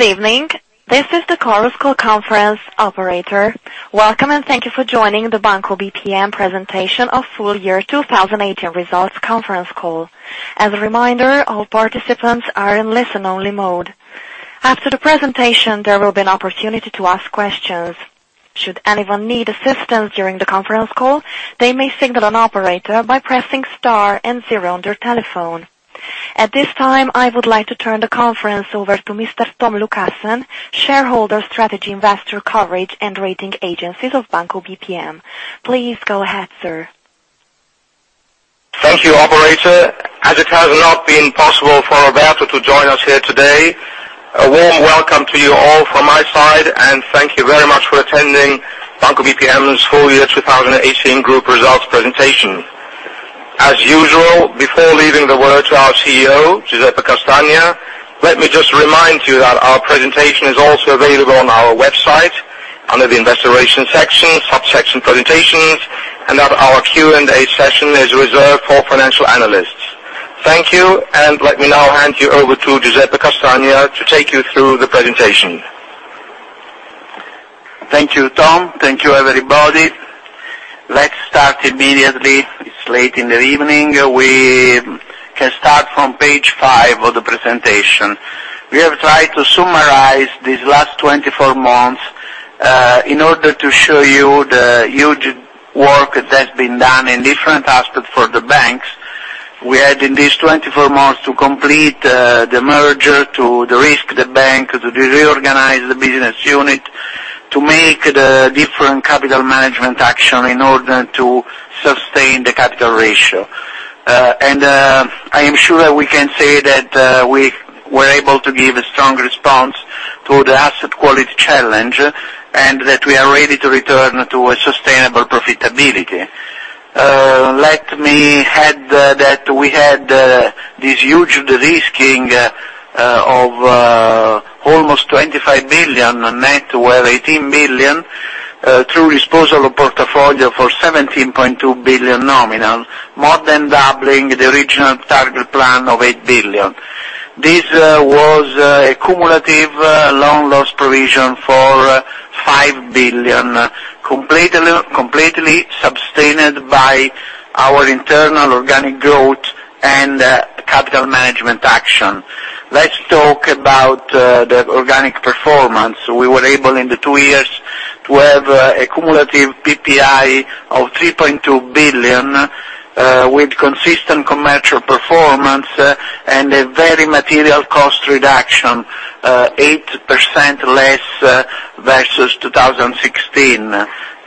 Good evening. This is the Chorus Call conference operator. Welcome, and thank you for joining the Banco BPM presentation of full year 2018 results conference call. As a reminder, all participants are in listen-only mode. After the presentation, there will be an opportunity to ask questions. Should anyone need assistance during the conference call, they may signal an operator by pressing star and zero on their telephone. At this time, I would like to turn the conference over to Mr. Tom Lucassen, Shareholder Strategy Investor Coverage and Rating Agencies of Banco BPM. Please go ahead, sir. Thank you, operator. As it has not been possible for Roberto to join us here today, a warm welcome to you all from my side, and thank you very much for attending Banco BPM's full year 2018 group results presentation. As usual, before leaving the word to our CEO, Giuseppe Castagna, let me just remind you that our presentation is also available on our website under the investor relations section, subsection presentations, and that our Q&A session is reserved for financial analysts. Thank you, and let me now hand you over to Giuseppe Castagna to take you through the presentation. Thank you, Tom. Thank you, everybody. Let's start immediately. It's late in the evening. We can start from page five of the presentation. We have tried to summarize these last 24 months in order to show you the huge work that's been done in different aspects for the banks. We had in these 24 months to complete the merger to de-risk the bank, to reorganize the business unit, to make the different capital management action in order to sustain the capital ratio. I am sure we can say that we were able to give a strong response to the asset quality challenge and that we are ready to return to a sustainable profitability. Let me add that we had this huge de-risking of almost 25 billion net worth 18 billion through disposal of portfolio for 17.2 billion nominal, more than doubling the original target plan of 8 billion. This was a cumulative loan loss provision for 5 billion, completely sustained by our internal organic growth and capital management action. Let's talk about the organic performance. We were able in the two years to have a cumulative PPI of 3.2 billion, with consistent commercial performance and a very material cost reduction, 8% less versus 2016,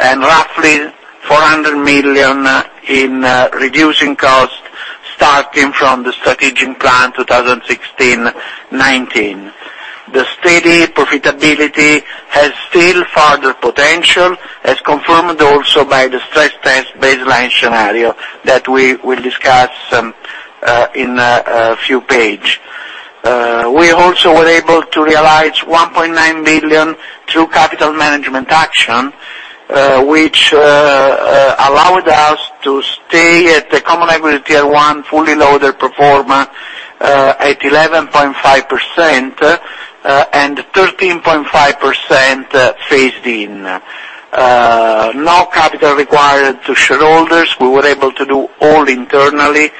and roughly 400 million in reducing cost starting from the strategic plan 2016-2019. The steady profitability has still further potential, as confirmed also by the stress test baseline scenario that we will discuss in a few page. We also were able to realize 1.9 billion through capital management action, which allowed us to stay at the common equity tier 1 fully loaded performance at 11.5% and 13.5% phased in. No capital required to shareholders. We were able to do all internally,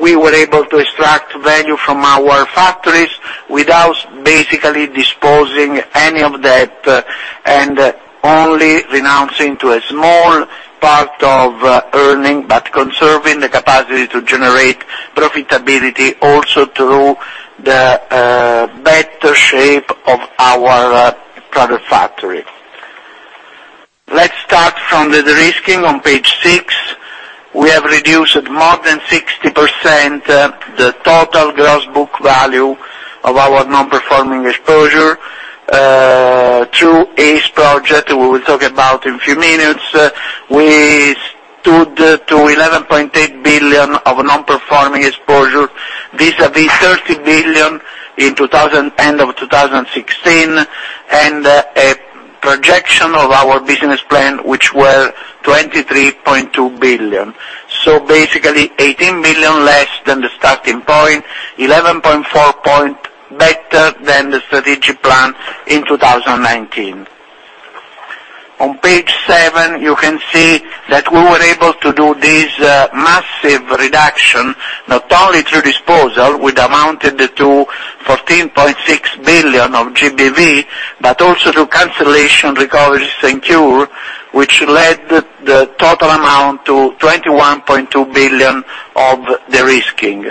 we were able to extract value from our factories without basically disposing any of that, only renouncing to a small part of earning, but conserving the capacity to generate profitability also through the better shape of our product factory. Let's start from the de-risking on page six. We have reduced more than 60% the total gross book value of our non-performing exposure through Project ACE. We will talk about in a few minutes. We stood to 11.8 billion of non-performing exposure, vis-à-vis 30 billion end of 2016, and a projection of our business plan, which were 23.2 billion. Basically, 18 billion less than the starting point, 11.4 point better than the strategic plan in 2019. On page seven, you can see that we were able to do this massive reduction not only through disposal, which amounted to 14.6 billion of GBV, but also through cancellation, recoveries and cure, which led the total amount to 21.2 billion of de-risking.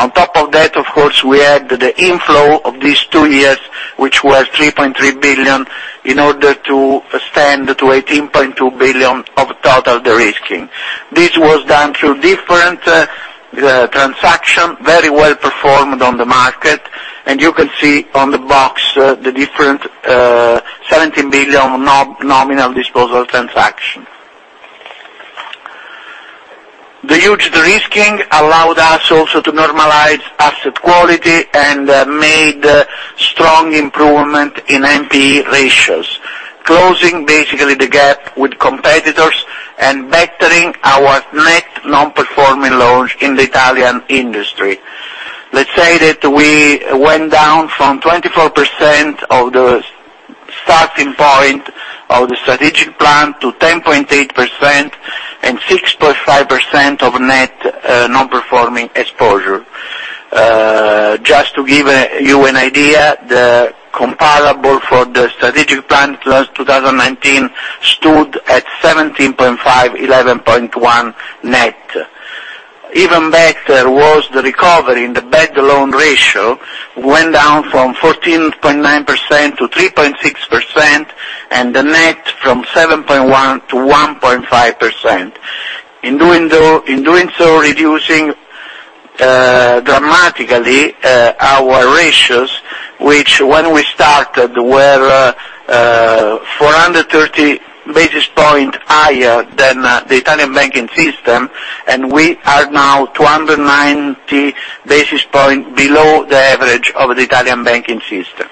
On top of that, of course, we had the inflow of these two years, which was 3.3 billion, in order to stand to 18.2 billion of total de-risking. This was done through different transaction, very well performed on the market, and you can see on the box the different 17 billion nominal disposal transaction. The huge de-risking allowed us also to normalize asset quality and made strong improvement in NPE ratios, closing basically the gap with competitors and bettering our net non-performing loans in the Italian industry. Let's say that we went down from 24% of the starting point of the strategic plan to 10.8% and 6.5% of net non-performing exposure. Just to give you an idea, the comparable for the strategic plan plus 2019 stood at 17.5%, 11.1% net. Even better was the recovery in the bad loan ratio, went down from 14.9% to 3.6%, and the net from 7.1% to 1.5%. In doing so, reducing dramatically our ratios, which when we started, were 430 basis points higher than the Italian banking system, and we are now 290 basis points below the average of the Italian banking system.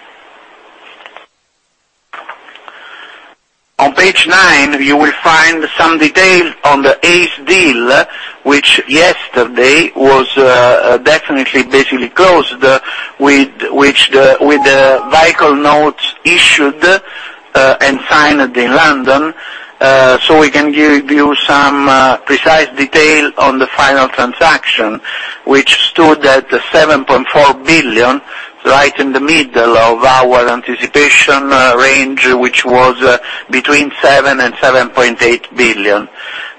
On page nine, you will find some details on the ACE deal, which yesterday was definitely basically closed, with the vehicle notes issued and signed in London. We can give you some precise detail on the final transaction, which stood at 7.4 billion, right in the middle of our anticipation range, which was between 7 billion and 7.8 billion.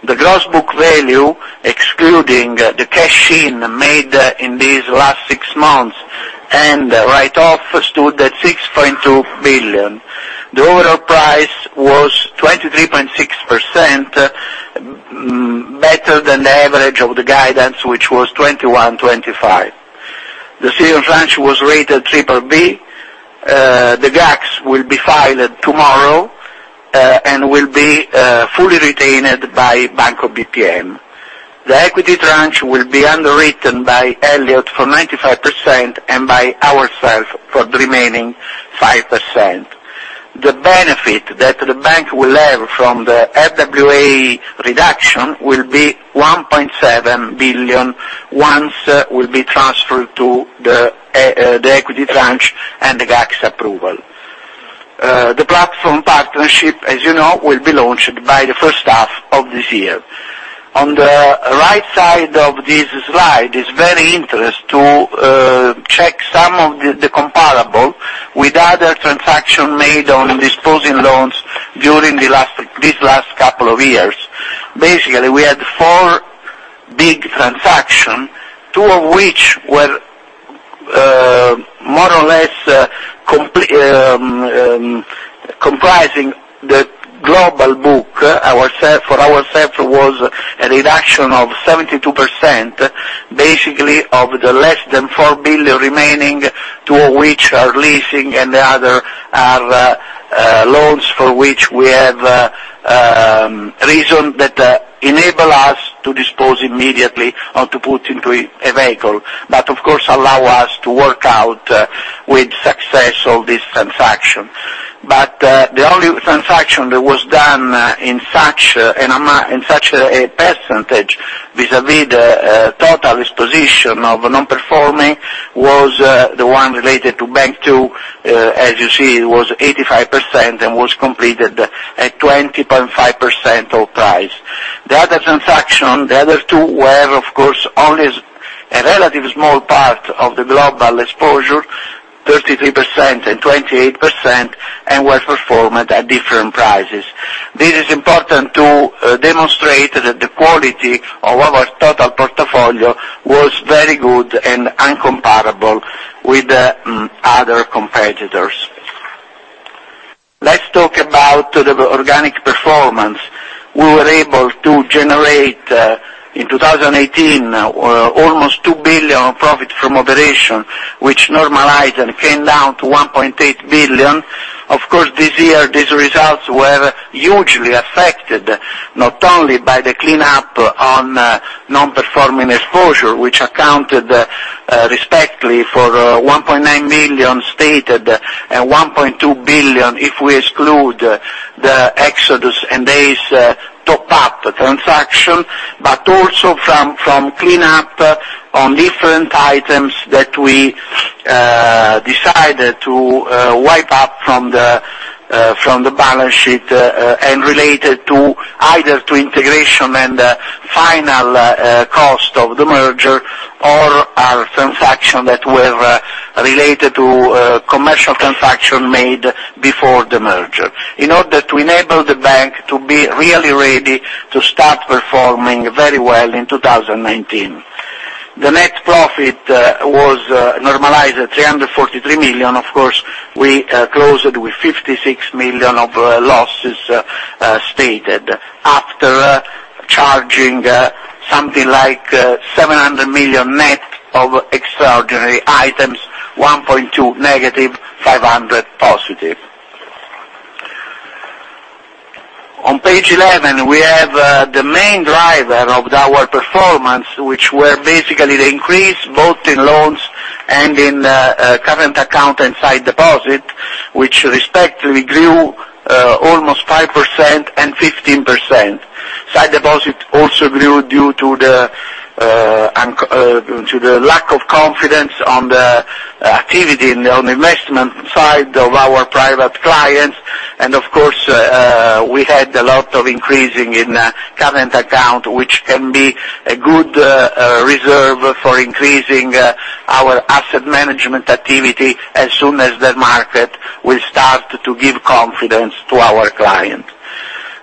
The gross book value, excluding the cash in made in these last six months and write-off, stood at 6.2 billion. The overall price was 23.6%, better than the average of the guidance, which was 21%-25%. The senior tranche was rated triple B. The GACS will be filed tomorrow, and will be fully retained by Banco BPM. The equity tranche will be underwritten by Elliott for 95% and by ourselves for the remaining 5%. The benefit that the bank will have from the RWA reduction will be 1.7 billion once will be transferred to the equity tranche and the GACS approval. The platform partnership, as you know, will be launched by the first half of this year. On the right side of this slide, it's very interesting to check some of the comparable with other transaction made on disposing loans during these last couple of years. Basically, we had four big transaction, two of which were more or less comprising the global book. For ourselves, was a reduction of 72%, basically of the less than 4 billion remaining, two of which are leasing and the other are loans for which we have reason that enable us to dispose immediately or to put into a vehicle, of course, allow us to work out with success all these transactions. The only transaction that was done in such a percentage vis-à-vis the total disposition of non-performing, was the one related to Bank 2. As you see, it was 85% and was completed at 20.5% of price. The other transaction, the other two, were, of course, only a relatively small part of the global exposure, 33% and 28%, and were performed at different prices. This is important to demonstrate that the quality of our total portfolio was very good and incomparable with other competitors. Let's talk about the organic performance. We were able to generate, in 2018, almost 2 billion of profit from operation, which normalized and came down to 1.8 billion. Of course, this year, these results were hugely affected, not only by the cleanup on non-performing exposure, which accounted respectfully for 1.9 billion stated and 1.2 billion if we exclude the Project Exodus and Project ACE top-up transaction, but also from cleanup on different items that we decided to wipe up from the balance sheet and related either to integration and final cost of the merger, or are transaction that were related to commercial transaction made before the merger, in order to enable the bank to be really ready to start performing very well in 2019. The net profit was normalized at 343 million. Of course, we closed with 56 million of losses stated after charging something like 700 million net of extraordinary items, 1.2 billion negative, 500 million positive. On page 11, we have the main driver of our performance, which were basically the increase both in loans and in current account and sight deposit, which respectively grew almost 5% and 15%. Sight deposit also grew due to the lack of confidence on the activity on the investment side of our private clients. Of course, we had a lot of increasing in current account, which can be a good reserve for increasing our asset management activity as soon as the market will start to give confidence to our client.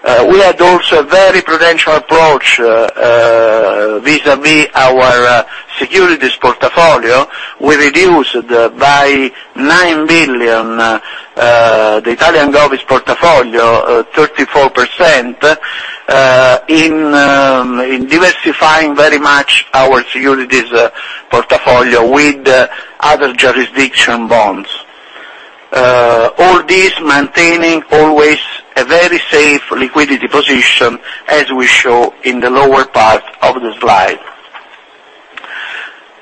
We had also a very prudential approach vis-à-vis our securities portfolio. We reduced by 9 billion, the Italian Gov's portfolio, 34%, in diversifying very much our securities portfolio with other jurisdiction bonds. All this maintaining always a very safe liquidity position as we show in the lower part of the slide.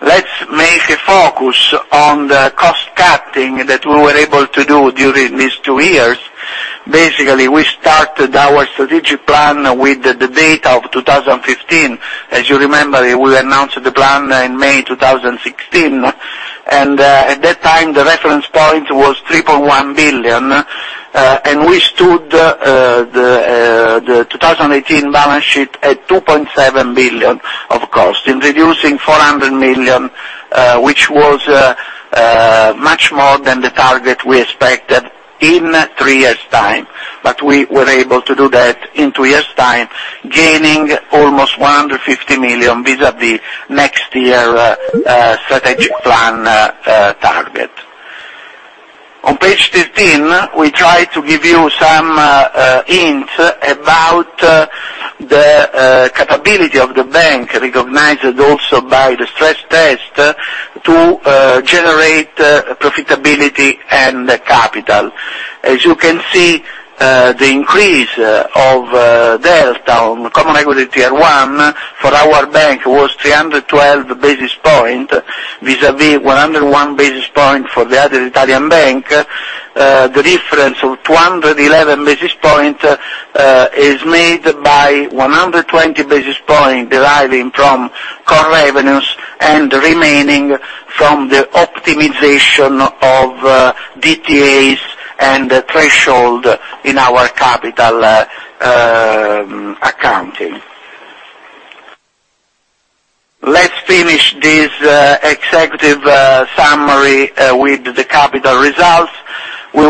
Let's make a focus on the cost cutting that we were able to do during these two years. Basically, we started our strategic plan with the date of 2015. As you remember, we announced the plan in May 2016. At that time, the reference point was 3.1 billion, and we stood the 2018 balance sheet at 2.7 billion of cost in reducing 400 million, which was much more than the target we expected in three years' time. We were able to do that in two years' time, gaining almost 150 million vis-à-vis next year strategic plan target. On page 15, we try to give you some hints about the capability of the bank, recognized also by the stress test to generate profitability and capital. As you can see, the increase of Delta on common equity tier 1 for our bank was 312 basis point, vis-à-vis 101 basis point for the other Italian bank. The difference of 211 basis point is made by 120 basis point deriving from core revenues and remaining from the optimization of DTAs and the threshold in our capital accounting. Let's finish this executive summary with the capital results. We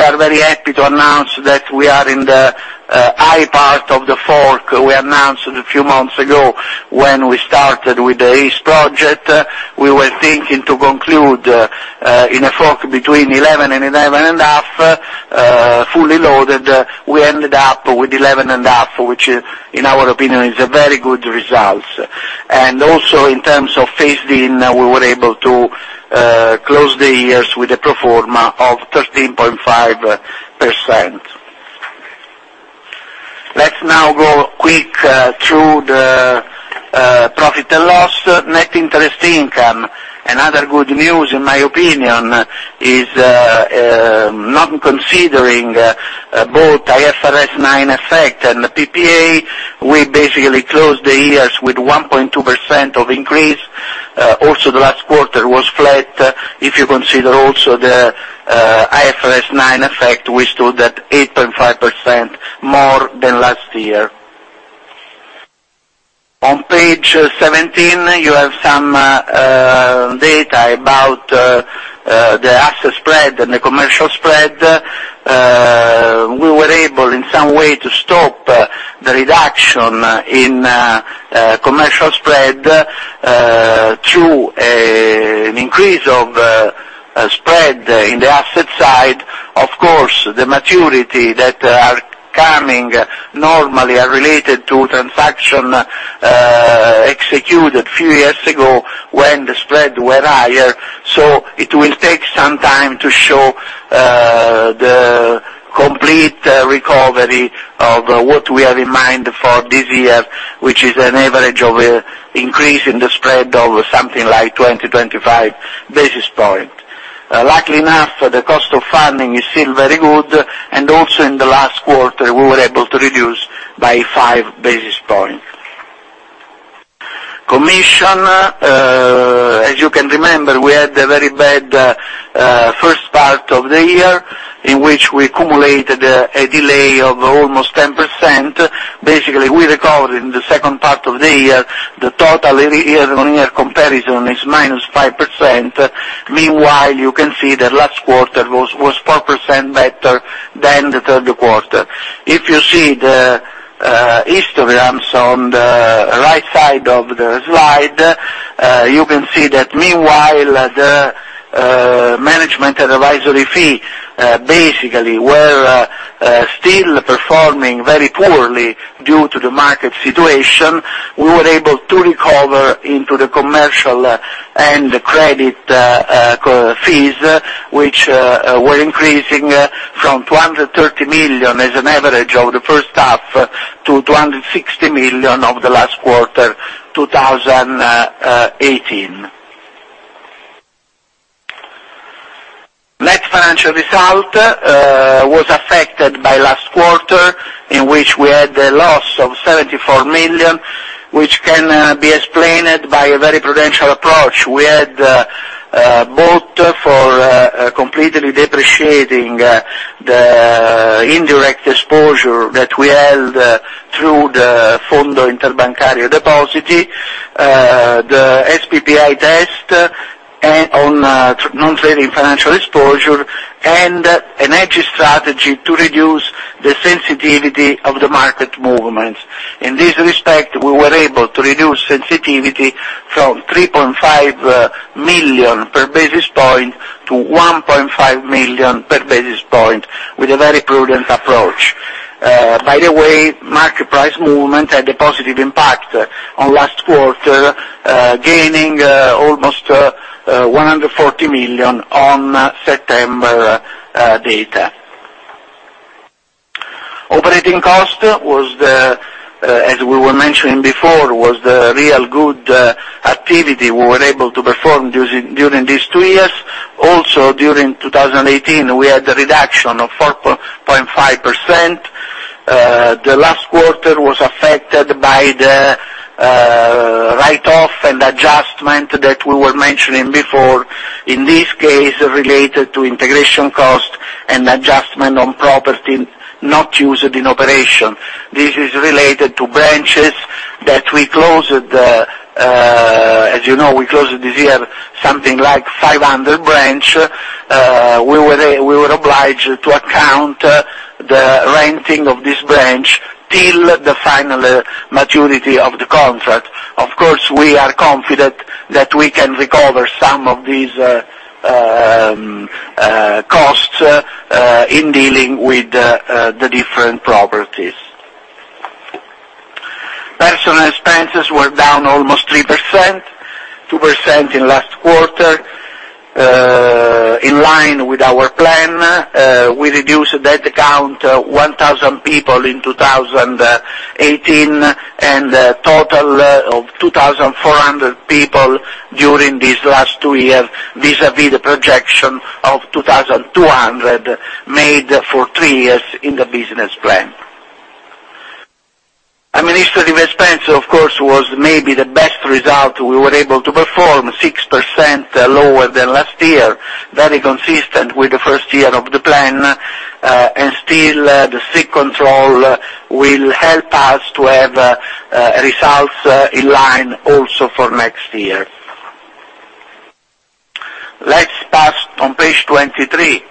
are very happy to announce that we are in the high part of the fork we announced a few months ago when we started with the ACE Project. We were thinking to conclude in a fork between 11% and 11.5%, fully loaded. We ended up with 11.5%, which, in our opinion, is a very good result. Also in terms of phase in, we were able to close the years with a pro forma of 13.5%. Let's now go quick through the profit and loss. Net interest income. Another good news, in my opinion, is not considering both IFRS 9 effect and PPA, we basically closed the years with 1.2% of increase. The last quarter was flat. If you consider also the IFRS 9 effect, we stood at 8.5% more than last year. On page 17, you have some data about the asset spread and the commercial spread. We were able, in some way, to stop the reduction in commercial spread through an increase of spread in the asset side. Of course, the maturity that are coming normally are related to transaction executed few years ago when the spread were higher. It will take some time to show the complete recovery of what we have in mind for this year, which is an average of increase in the spread of something like 20, 25 basis point. Luckily enough, the cost of funding is still very good, and also in the last quarter, we were able to reduce by 5 basis points. Commission, as you can remember, we had a very bad first part of the year in which we accumulated a delay of almost 10%. Basically, we recovered in the second part of the year. The total year-over-year comparison is -5%. Meanwhile, you can see that last quarter was 4% better than the third quarter. If you see the histograms on the side of the slide. You can see that meanwhile, the management advisory fee basically were still performing very poorly due to the market situation. We were able to recover into the commercial and the credit fees, which were increasing from 230 million as an average over the first half to 260 million of the last quarter 2018. Net financial result was affected by last quarter, in which we had a loss of 74 million, which can be explained by a very prudential approach. We had both for completely depreciating the indirect exposure that we held through the Fondo Interbancario Depositi, the SPPI test on non-trading financial exposure and a hedging strategy to reduce the sensitivity of the market movements. In this respect, we were able to reduce sensitivity from 3.5 million per basis point to 1.5 million per basis point with a very prudent approach. By the way, market price movement had a positive impact on last quarter, gaining almost 140 million on September data. Operating cost, as we were mentioning before, was the real good activity we were able to perform during these two years. Also, during 2018, we had a reduction of 4.5%. The last quarter was affected by the write-off and adjustment that we were mentioning before, in this case, related to integration cost and adjustment on property not used in operation. This is related to branches that we closed. As you know, we closed this year something like 500 branch. Of course, we were obliged to account the renting of this branch till the final maturity of the contract. Of course, we are confident that we can recover some of these costs in dealing with the different properties. Personnel expenses were down almost 3%, 2% in last quarter. In line with our plan, we reduced head count 1,000 people in 2018, and a total of 2,400 people during these last two years, vis-à-vis the projection of 2,200 made for three years in the business plan. Administrative expense, of course, was maybe the best result we were able to perform, 6% lower than last year. Very consistent with the first year of the plan. Still, the strict control will help us to have results in line also for next year. Let's pass on page 23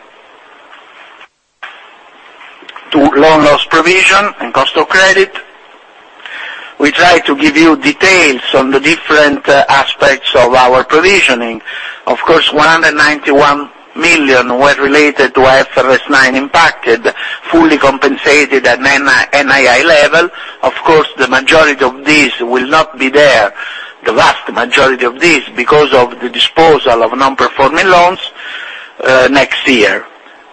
to loan loss provision and cost of credit. We try to give you details on the different aspects of our provisioning. Of course, 191 million were related to IFRS 9 impacted, fully compensated at NII level. Of course, the vast majority of this will not be there because of the disposal of non-performing loans next year.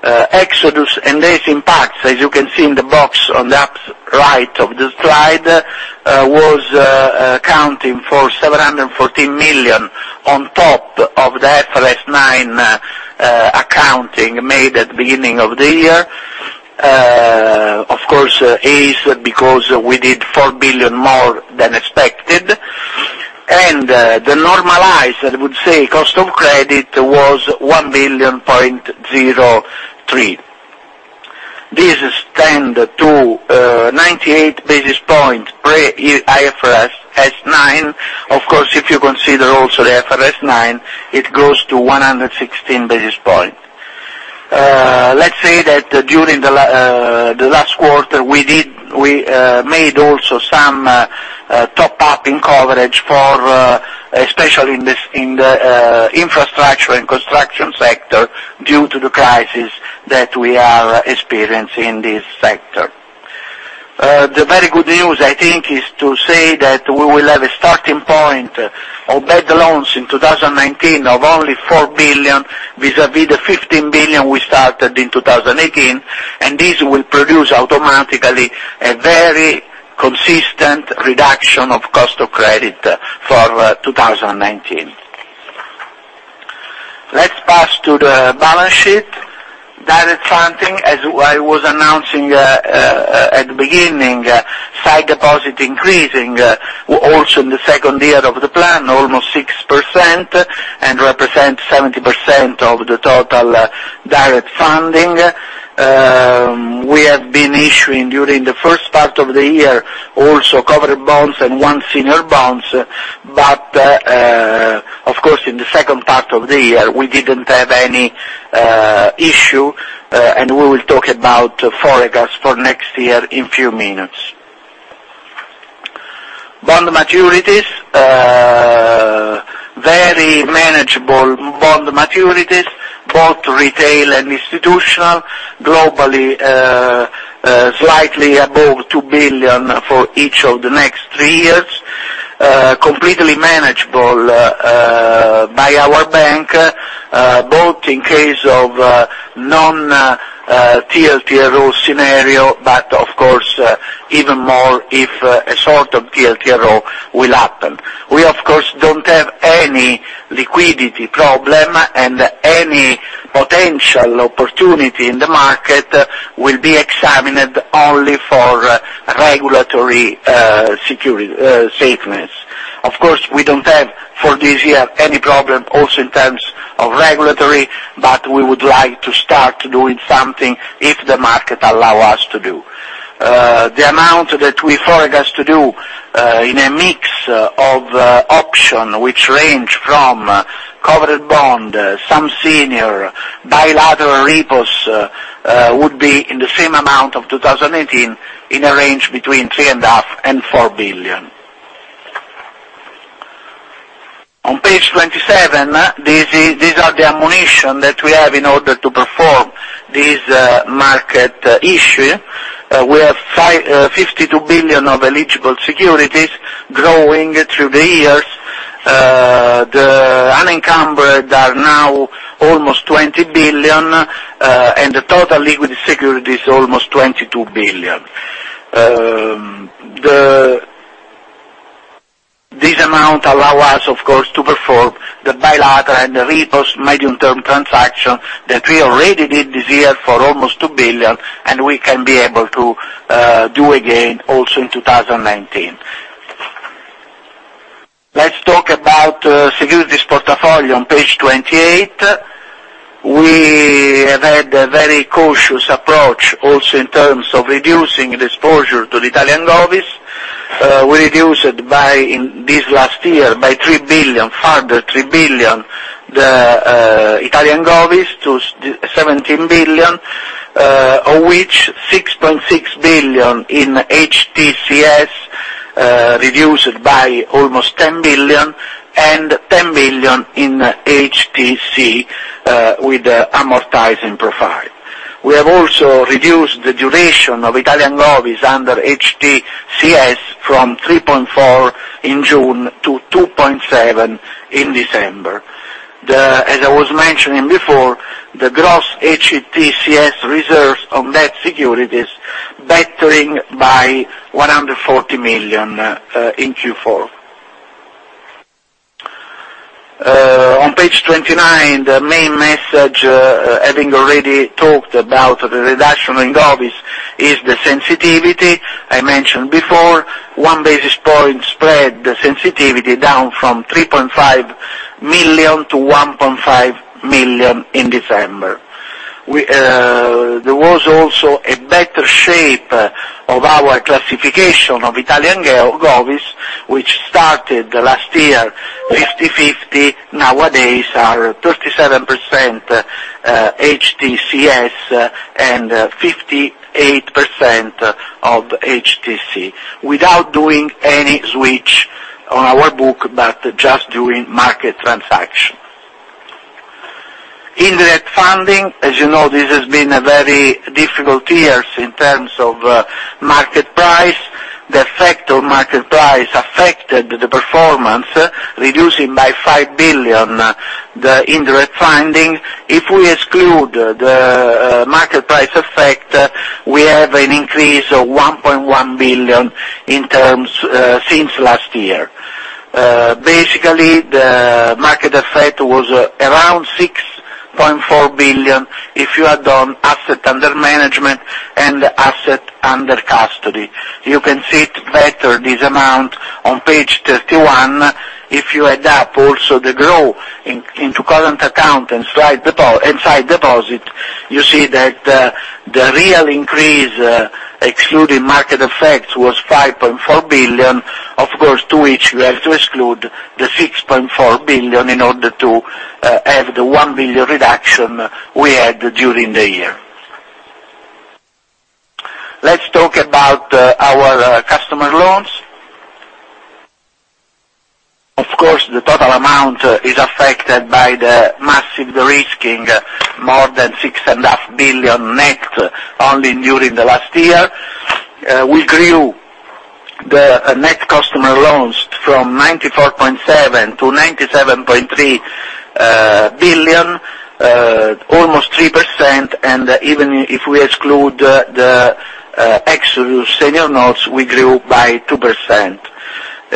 Exodus and ACE impacts, as you can see in the box on the upper right of the slide, was accounting for 714 million on top of the IFRS 9 accounting made at the beginning of the year. Of course, ACE, because we did 4 billion more than expected. The normalized, I would say, cost of credit was 1.03 billion. This stand to 98 basis point pre-IFRS 9. Of course, if you consider also the IFRS 9, it goes to 116 basis point. Let's say that during the last quarter, we made also some top-up in coverage especially in the infrastructure and construction sector due to the crisis that we are experiencing in this sector. The very good news, I think, is to say that we will have a starting point of bad loans in 2019 of only four billion vis-à-vis the 15 billion we started in 2018. This will produce automatically a very consistent reduction of cost of credit for 2019. Let's pass to the balance sheet. Direct funding, as I was announcing at the beginning, side deposit increasing also in the second year of the plan, almost 6%, Represent 70% of the total direct funding. We have been issuing during the first part of the year also covered bonds and one senior bonds. Of course, in the second part of the year, we didn't have any issue. We will talk about forecasts for next year in a few minutes. Bond maturities. Very manageable bond maturities, both retail and institutional, globally slightly above 2 billion for each of the next three years. Completely manageable by our bank, both in case of non-TLTRO scenario. Of course, even more if a sort of TLTRO will happen. We, of course, don't have any liquidity problem. Any potential opportunity in the market will be examined only for regulatory safeness. Of course, we don't have, for this year, any problem also in terms of regulatory. We would like to start doing something if the market allow us to do. The amount that we forecast to do in a mix of auction, which range from covered bond, some senior bilateral repos, would be in the same amount of 2018 in a range between 3.5 billion and 4 billion. On page 27, these are the ammunition that we have in order to perform this market issue. We have 52 billion of eligible securities growing through the years. The unencumbered are now almost 20 billion. The total liquidity security is almost EUR 22 billion. This amount allow us, of course, to perform the bilateral and the repos medium-term transaction that we already did this year for almost 2 billion. We can be able to do again also in 2019. Let's talk about securities portfolio on page 28. We have had a very cautious approach also in terms of reducing the exposure to the Italian GovBs. We reduced by this last year by 3 billion, further 3billion, the Italian GovBs to 17 billion, of which 6.6 billion in HTCS, reduced by almost 10 billion, 10 billion in HTC with amortizing profile. We have also reduced the duration of Italian GovBs under HTCS from 3.4 years in June to 2.7 years in December. As I was mentioning before, the gross HTCS reserves on that securities bettering by 140 million in Q4. On page 29, the main message, having already talked about the reduction in GovBs, is the sensitivity. I mentioned before, one basis point spread the sensitivity down from 3.5 million to 1.5 million in December. There was also a better shape of our classification of Italian GovBs, which started last year, 50/50, nowadays are 37% HTCS and 58% of HTC, without doing any switch on our book, just doing market transaction. Indirect funding, as you know, this has been a very difficult years in terms of market price. The effect of market price affected the performance, reducing by 5 billion the indirect funding. If we exclude the market price effect, we have an increase of 1.1 billion since last year. Basically, the market effect was around 6.4 billion if you add on asset under management and asset under custody. You can see it better, this amount, on page 31. If you add up also the growth into current account and sight deposit, you see that the real increase, excluding market effects, was 5.4 billion. Of course, to which you have to exclude the 6.4 billion in order to have the 1 billion reduction we had during the year. Let's talk about our customer loans. Of course, the total amount is affected by the massive de-risking, more than 6.5 billion net only during the last year. We grew the net customer loans from EUR 94.7 billion to 97.3 billion, almost 3%, and even if we exclude the Exodus senior notes, we grew by 2%.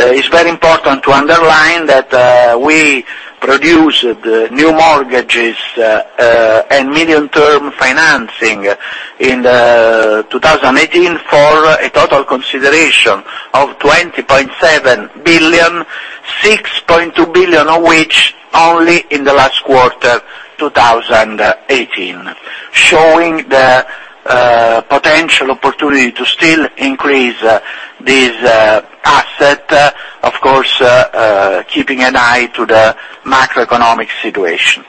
It's very important to underline that we produced new mortgages and medium-term financing in 2018 for a total consideration of 20.7 billion, 6.2 billion of which only in the last quarter 2018, showing the still increase this asset, of course, keeping an eye to the macroeconomic situation.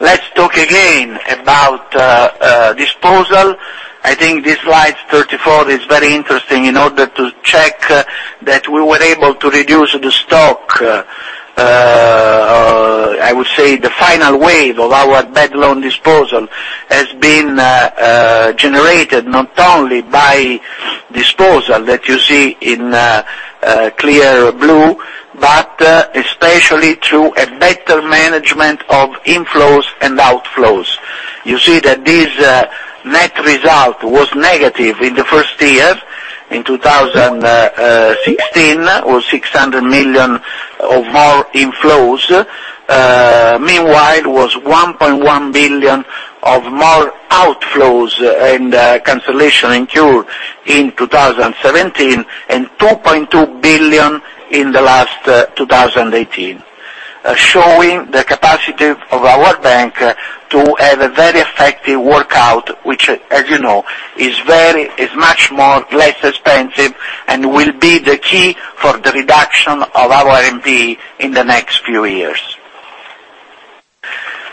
Let's talk again about disposal. I think this slide 34 is very interesting in order to check that we were able to reduce the stock. I would say the final wave of our bad loan disposal has been generated not only by disposal that you see in clear blue, but especially through a better management of inflows and outflows. You see that this net result was negative in the first year, in 2016, 600 million of more inflows. Meanwhile, it was 1.1 billion of more outflows and cancellation in cure in 2017, and 2.2 billion in the last 2018. Showing the capacity of our bank to have a very effective workout, which, as you know, is much more less expensive and will be the key for the reduction of our NP in the next few years.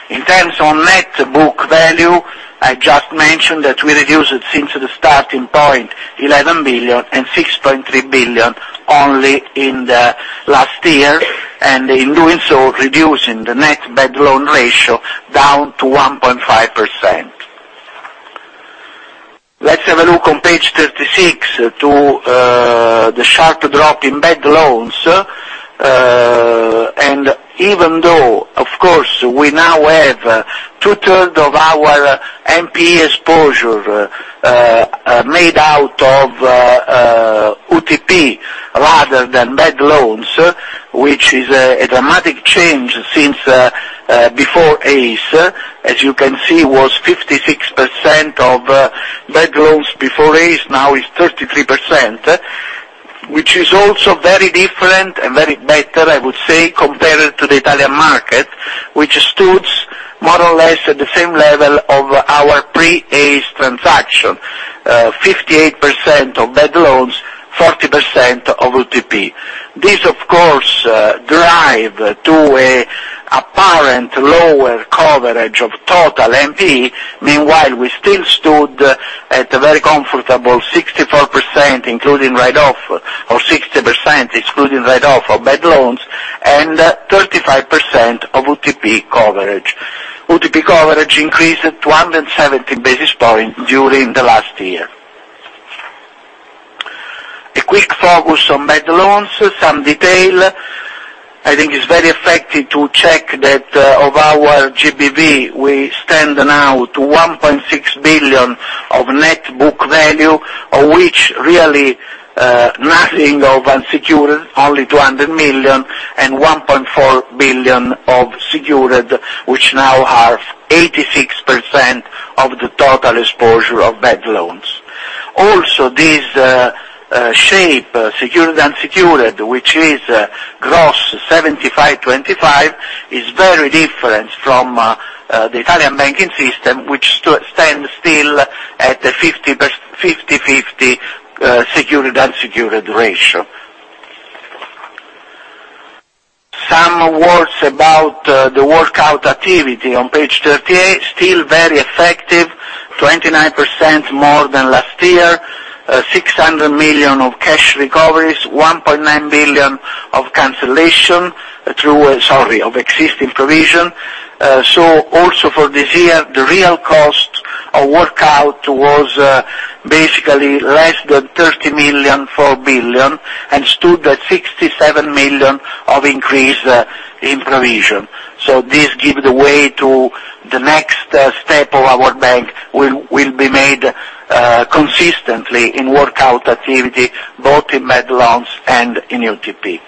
In terms of net book value, I just mentioned that we reduced since the starting point, 11 billion and 6.3 billion only in the last year, and in doing so, reducing the net bad loan ratio down to 1.5%. Let's have a look on page 36 to the sharp drop in bad loans. Even though, of course, we now have 2/3 of our NP exposure made out of UTP rather than bad loans, which is a dramatic change since before ACE. As you can see, was 56% of bad loans before ACE, now is 33%, which is also very different and very better, I would say, compared to the Italian market, which stood more or less at the same level of our pre-ACE transaction, 58% of bad loans, 40% of UTP. This, of course, drive to a apparent lower coverage of total NP. Meanwhile, we still stood at a very comfortable 64%, including write-off, or 60% excluding write-off of bad loans and 35% of UTP coverage. UTP coverage increased to 170 basis points during the last year. A quick focus on bad loans, some detail. I think it's very effective to check that of our GBV, we stand now to 1.6 billion of net book value, of which really nothing of unsecured, only 200 million, and 1.4 billion of secured, which now are 86% of the total exposure of bad loans. Also, this shape, secured/unsecured, which is gross 75/25, is very different from the Italian banking system, which stands still at the 50/50 secured/unsecured ratio. Some words about the workout activity on page 38, still very effective, 29% more than last year, 600 million of cash recoveries, 1.9 billion of cancellation through Sorry, of existing provision. Also for this year, the real cost of workout was basically less than 30 million, 4 billion, and stood at 67 million of increase in provision. This gives the way to the next step of our bank will be made consistently in workout activity, both in bad loans and in UTP.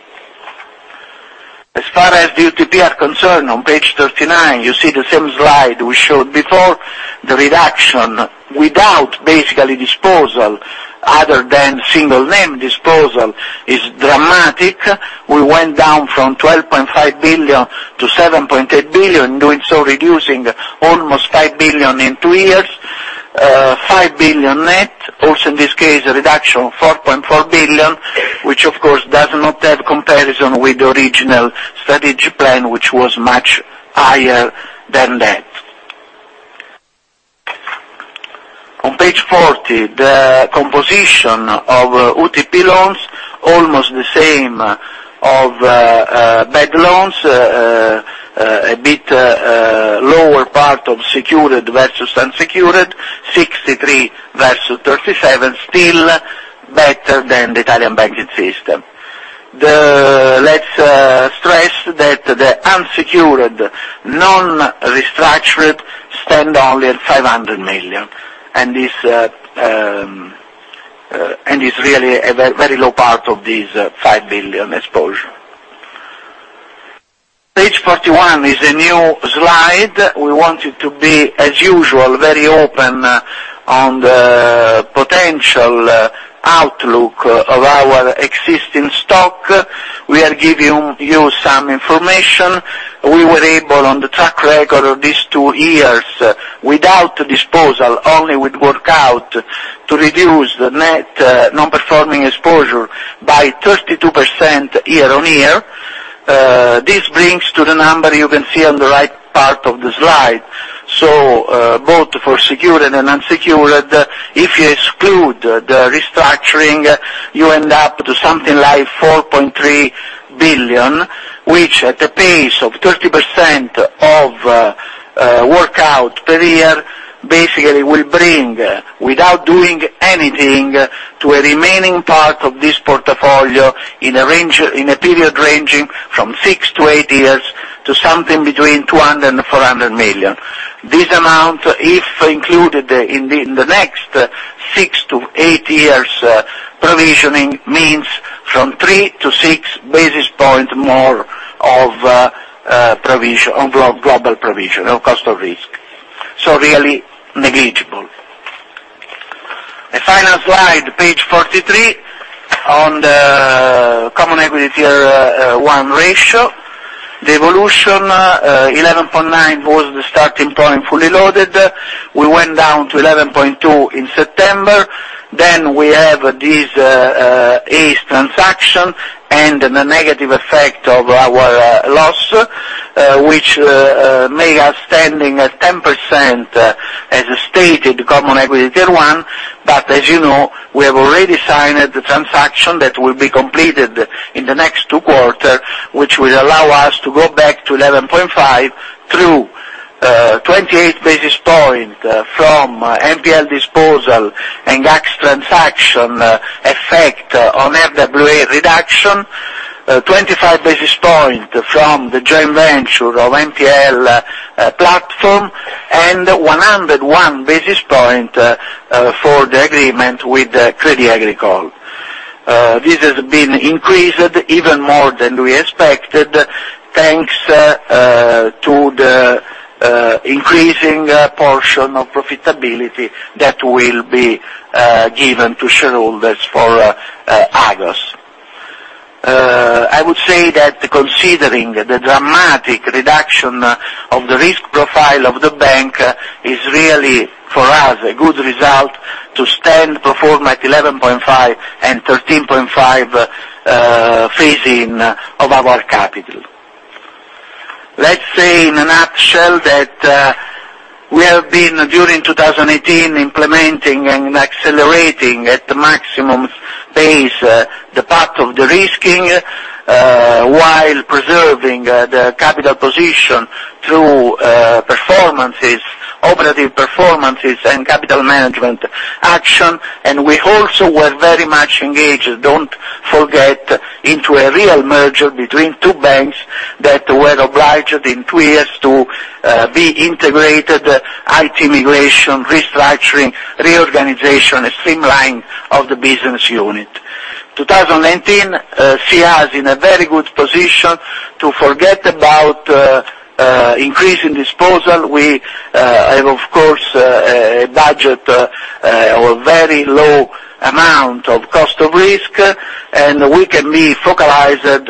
As far as the UTP are concerned, on page 39, you see the same slide we showed before. The reduction without basically disposal, other than single name disposal, is dramatic. We went down from 12.5 billion to 7.8 billion, doing so reducing almost 5 billion in two years, 5 billion net. Also, in this case, a reduction of 4.4 billion, which of course does not have comparison with the original strategy plan, which was much higher than that. On page 40, the composition of UTP loans, almost the same of bad loans, a bit lower part of secured versus unsecured, 63% versus 37%, still better than the Italian banking system. Let's stress that the unsecured non-restructured stand only at 500 million, and is really a very low part of this 5 billion exposure. Page 41 is a new slide. We wanted to be, as usual, very open on the potential outlook of our existing stock. We are giving you some information. We were able, on the track record of these two years, without disposal, only with workout, to reduce the net non-performing exposure by 32% year-on-year. This brings to the number you can see on the right part of the slide. Both for secured and unsecured, if you exclude the restructuring, you end up to something like 4.3 billion, which at a pace of 30% of workout per year, basically will bring, without doing anything, to a remaining part of this portfolio in a period ranging from six to eight years to something between 200 million and 400 million. This amount, if included in the next six to eight years provisioning, means from 3 to 6 basis points more of global provision of cost of risk. Really negligible. A final slide, page 43, on the common equity tier 1 ratio. The evolution, 11.9% was the starting point, fully loaded. We went down to 11.2% in September. Then we have this ACE transaction and the negative effect of our loss, which make us standing at 10%, as stated, common equity tier one. But as you know, we have already signed the transaction that will be completed in the next two quarter, which will allow us to go back to 11.5 through 28 basis point from NPL disposal and GACS transaction effect on RWA reduction, 25 basis point from the joint venture of NPL platform, and 101 basis point for the agreement with Crédit Agricole. This has been increased even more than we expected, thanks to the increasing portion of profitability that will be given to shareholders for Agos. I would say that considering the dramatic reduction of the risk profile of the bank is really, for us, a good result to stand pro forma at 11.5% and 13.5% phasing of our capital. Let's say in a nutshell that we have been, during 2018, implementing and accelerating at maximum pace the path of de-risking, while preserving the capital position through operative performances and capital management action. We also were very much engaged, don't forget, into a real merger between two banks that were obliged in two years to be integrated. IT migration, restructuring, reorganization, and streamline of the business unit. 2019 see us in a very good position to forget about increasing disposal. We have, of course, budget or very low amount of cost of risk, and we can be focalized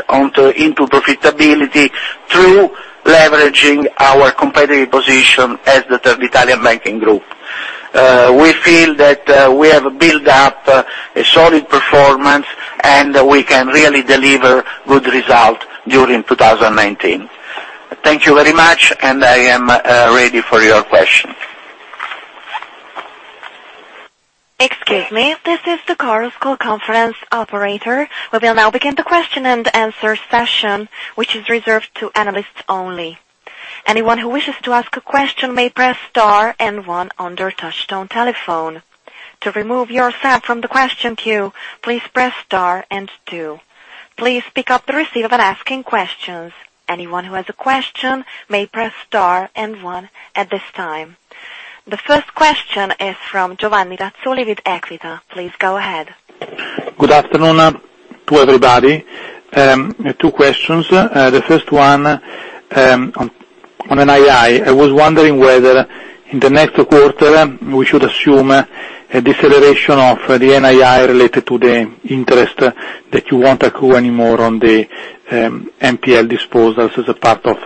into profitability through leveraging our competitive position as the third Italian banking group. We feel that we have built up a solid performance, and we can really deliver good result during 2019. Thank you very much. I am ready for your question. Excuse me. This is the Chorus Call Conference operator. We will now begin the question and answer session, which is reserved to analysts only. Anyone who wishes to ask a question may press star and one on their touchtone telephone. To remove yourself from the question queue, please press star and two. Please pick up the receiver when asking questions. Anyone who has a question may press star and one at this time. The first question is from Giovanni Razzoli with EQUITA. Please go ahead. Good afternoon to everybody. Two questions. The first one on NII. I was wondering whether in the next quarter we should assume a deceleration of the NII related to the interest that you won't accrue anymore on the NPL disposals as a part of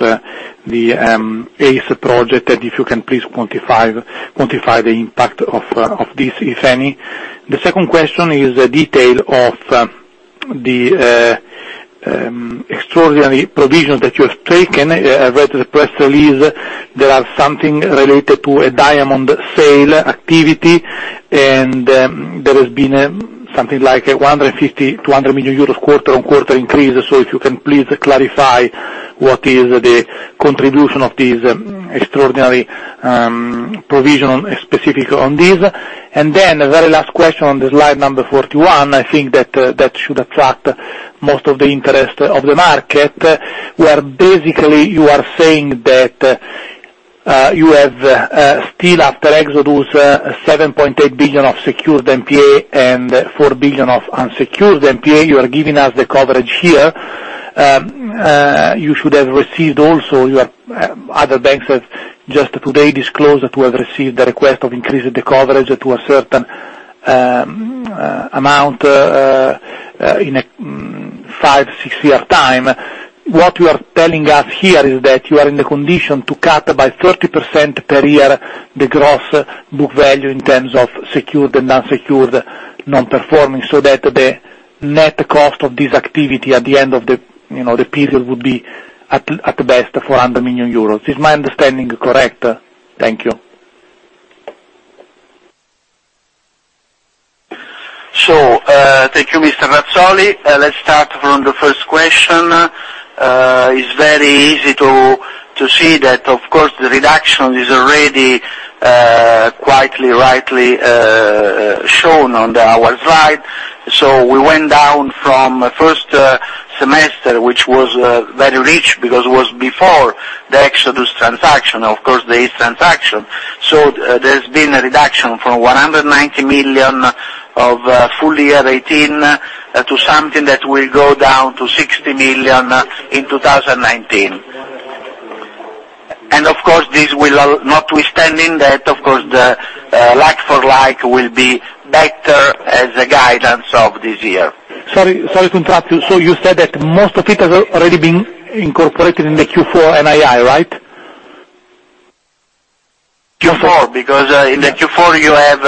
the ACE project, and if you can please quantify the impact of this, if any. The second question is a detail of the extraordinary provisions that you have taken. I read the press release. There are something related to a Diamond sale activity, and there has been something like 150 million-200 million euros quarter-on-quarter increase. So if you can please clarify what is the contribution of this extraordinary provision specific on this. A very last question on the slide number 41, I think that should attract most of the interest of the market, where basically you are saying that you have still, after Exodus, 7.8 billion of secured NPA and 4 billion of unsecured NPA. You are giving us the coverage here. You should have received also, other banks have just today disclosed that we have received the request of increasing the coverage to a certain amount in a five, six-year time. What you are telling us here is that you are in the condition to cut by 30% per year the gross book value in terms of secured and non-secured non-performing, so that the net cost of this activity at the end of the period would be at best 400 million euros. Is my understanding correct? Thank you. Thank you, Mr. Razzoli. Let's start from the first question. It's very easy to see that, of course, the reduction is already quite rightly shown on our slide. We went down from first semester, which was very rich because it was before the Exodus transaction, of course, the ACE transaction. There's been a reduction from 190 million of full year 2018 to something that will go down to 60 million in 2019. Notwithstanding that, of course, the like-for-like will be better as a guidance of this year. Sorry to interrupt you. You said that most of it has already been incorporated in the Q4 NII, right? Q4, because in the Q4 you have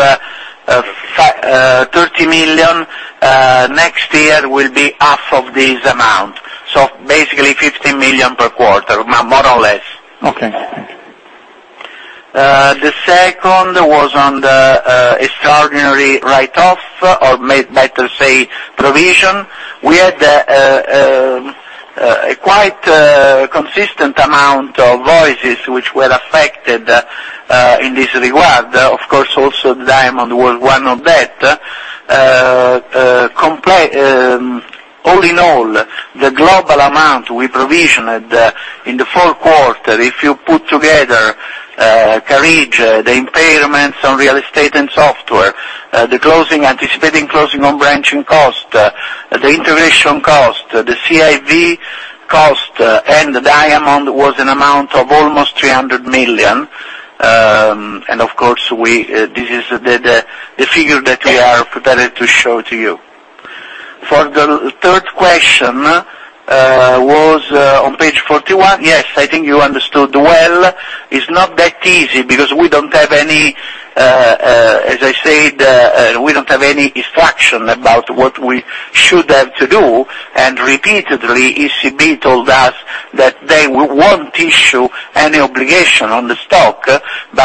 30 million. Next year will be half of this amount. Basically 15 million per quarter, more or less. Okay. Thank you. The second was on the extraordinary write-off, or better say, provision. We had a quite consistent amount of voices which were affected in this regard. Of course, also Diamond was one of that. All in all, the global amount we provisioned in the fourth quarter, if you put together Carige, the impairments on real estate and software, the anticipated closing on branching cost, the integration cost, the CIV cost, and Diamond was an amount of almost 300 million. Of course, this is the figure that we are prepared to show to you. For the third question, was on page 41. Yes, I think you understood well. It's not that easy because, as I said, we don't have any instruction about what we should have to do. Repeatedly, ECB told us that they won't issue any obligation on the stock.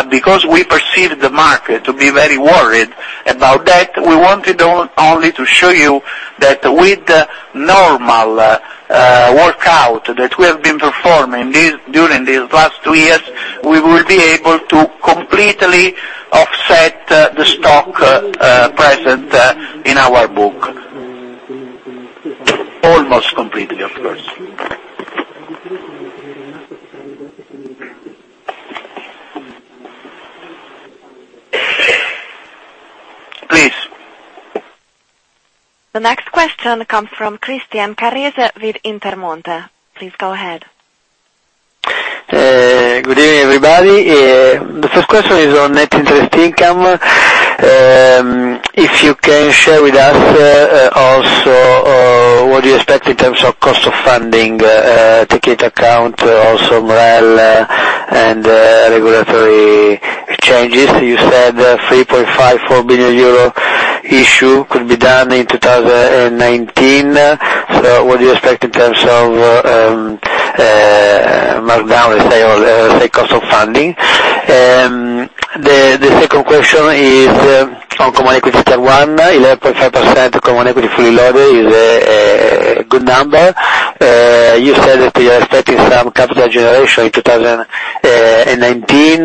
Because we perceive the market to be very worried about that, we wanted only to show you that with normal workout that we have been performing during these last two years, we will be able to completely offset the stock present in our book. Almost completely, of course. Please. The next question comes from Christian Carrese with Intermonte. Please go ahead. Good evening, everybody. The first question is on net interest income. If you can share with us also what do you expect in terms of cost of funding, take into account also MREL and regulatory changes. You said 3.54 billion euro issue could be done in 2019. What do you expect in terms of markdown, let's say, cost of funding? The second question is on common equity tier 1, 11.5% common equity fully loaded is a good number. You said that you are expecting some capital generation in 2019.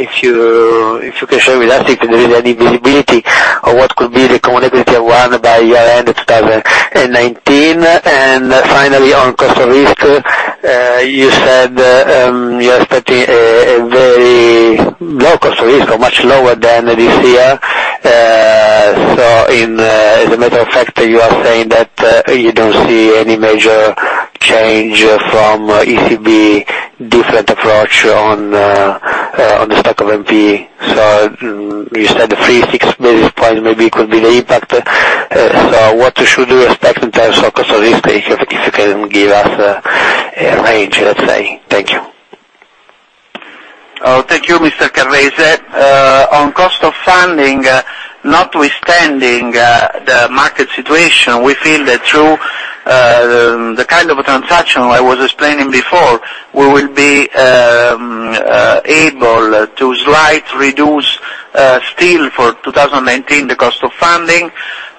If you can share with us if there is any visibility on what could be the common equity tier 1 by year end 2019. Finally, on cost of risk, you said you're expecting a very low cost of risk or much lower than this year. As a matter of fact, you are saying that you don't see any major change from ECB different approach on the stock of NP. You said the 3, 6 basis points maybe could be the impact. What should we expect in terms of cost of risk if you can give us a range, let's say. Thank you. Thank you, Mr. Carrese. On cost of funding, notwithstanding the market situation, we feel that through the kind of transaction I was explaining before, we will be able to slightly reduce still for 2019, the cost of funding.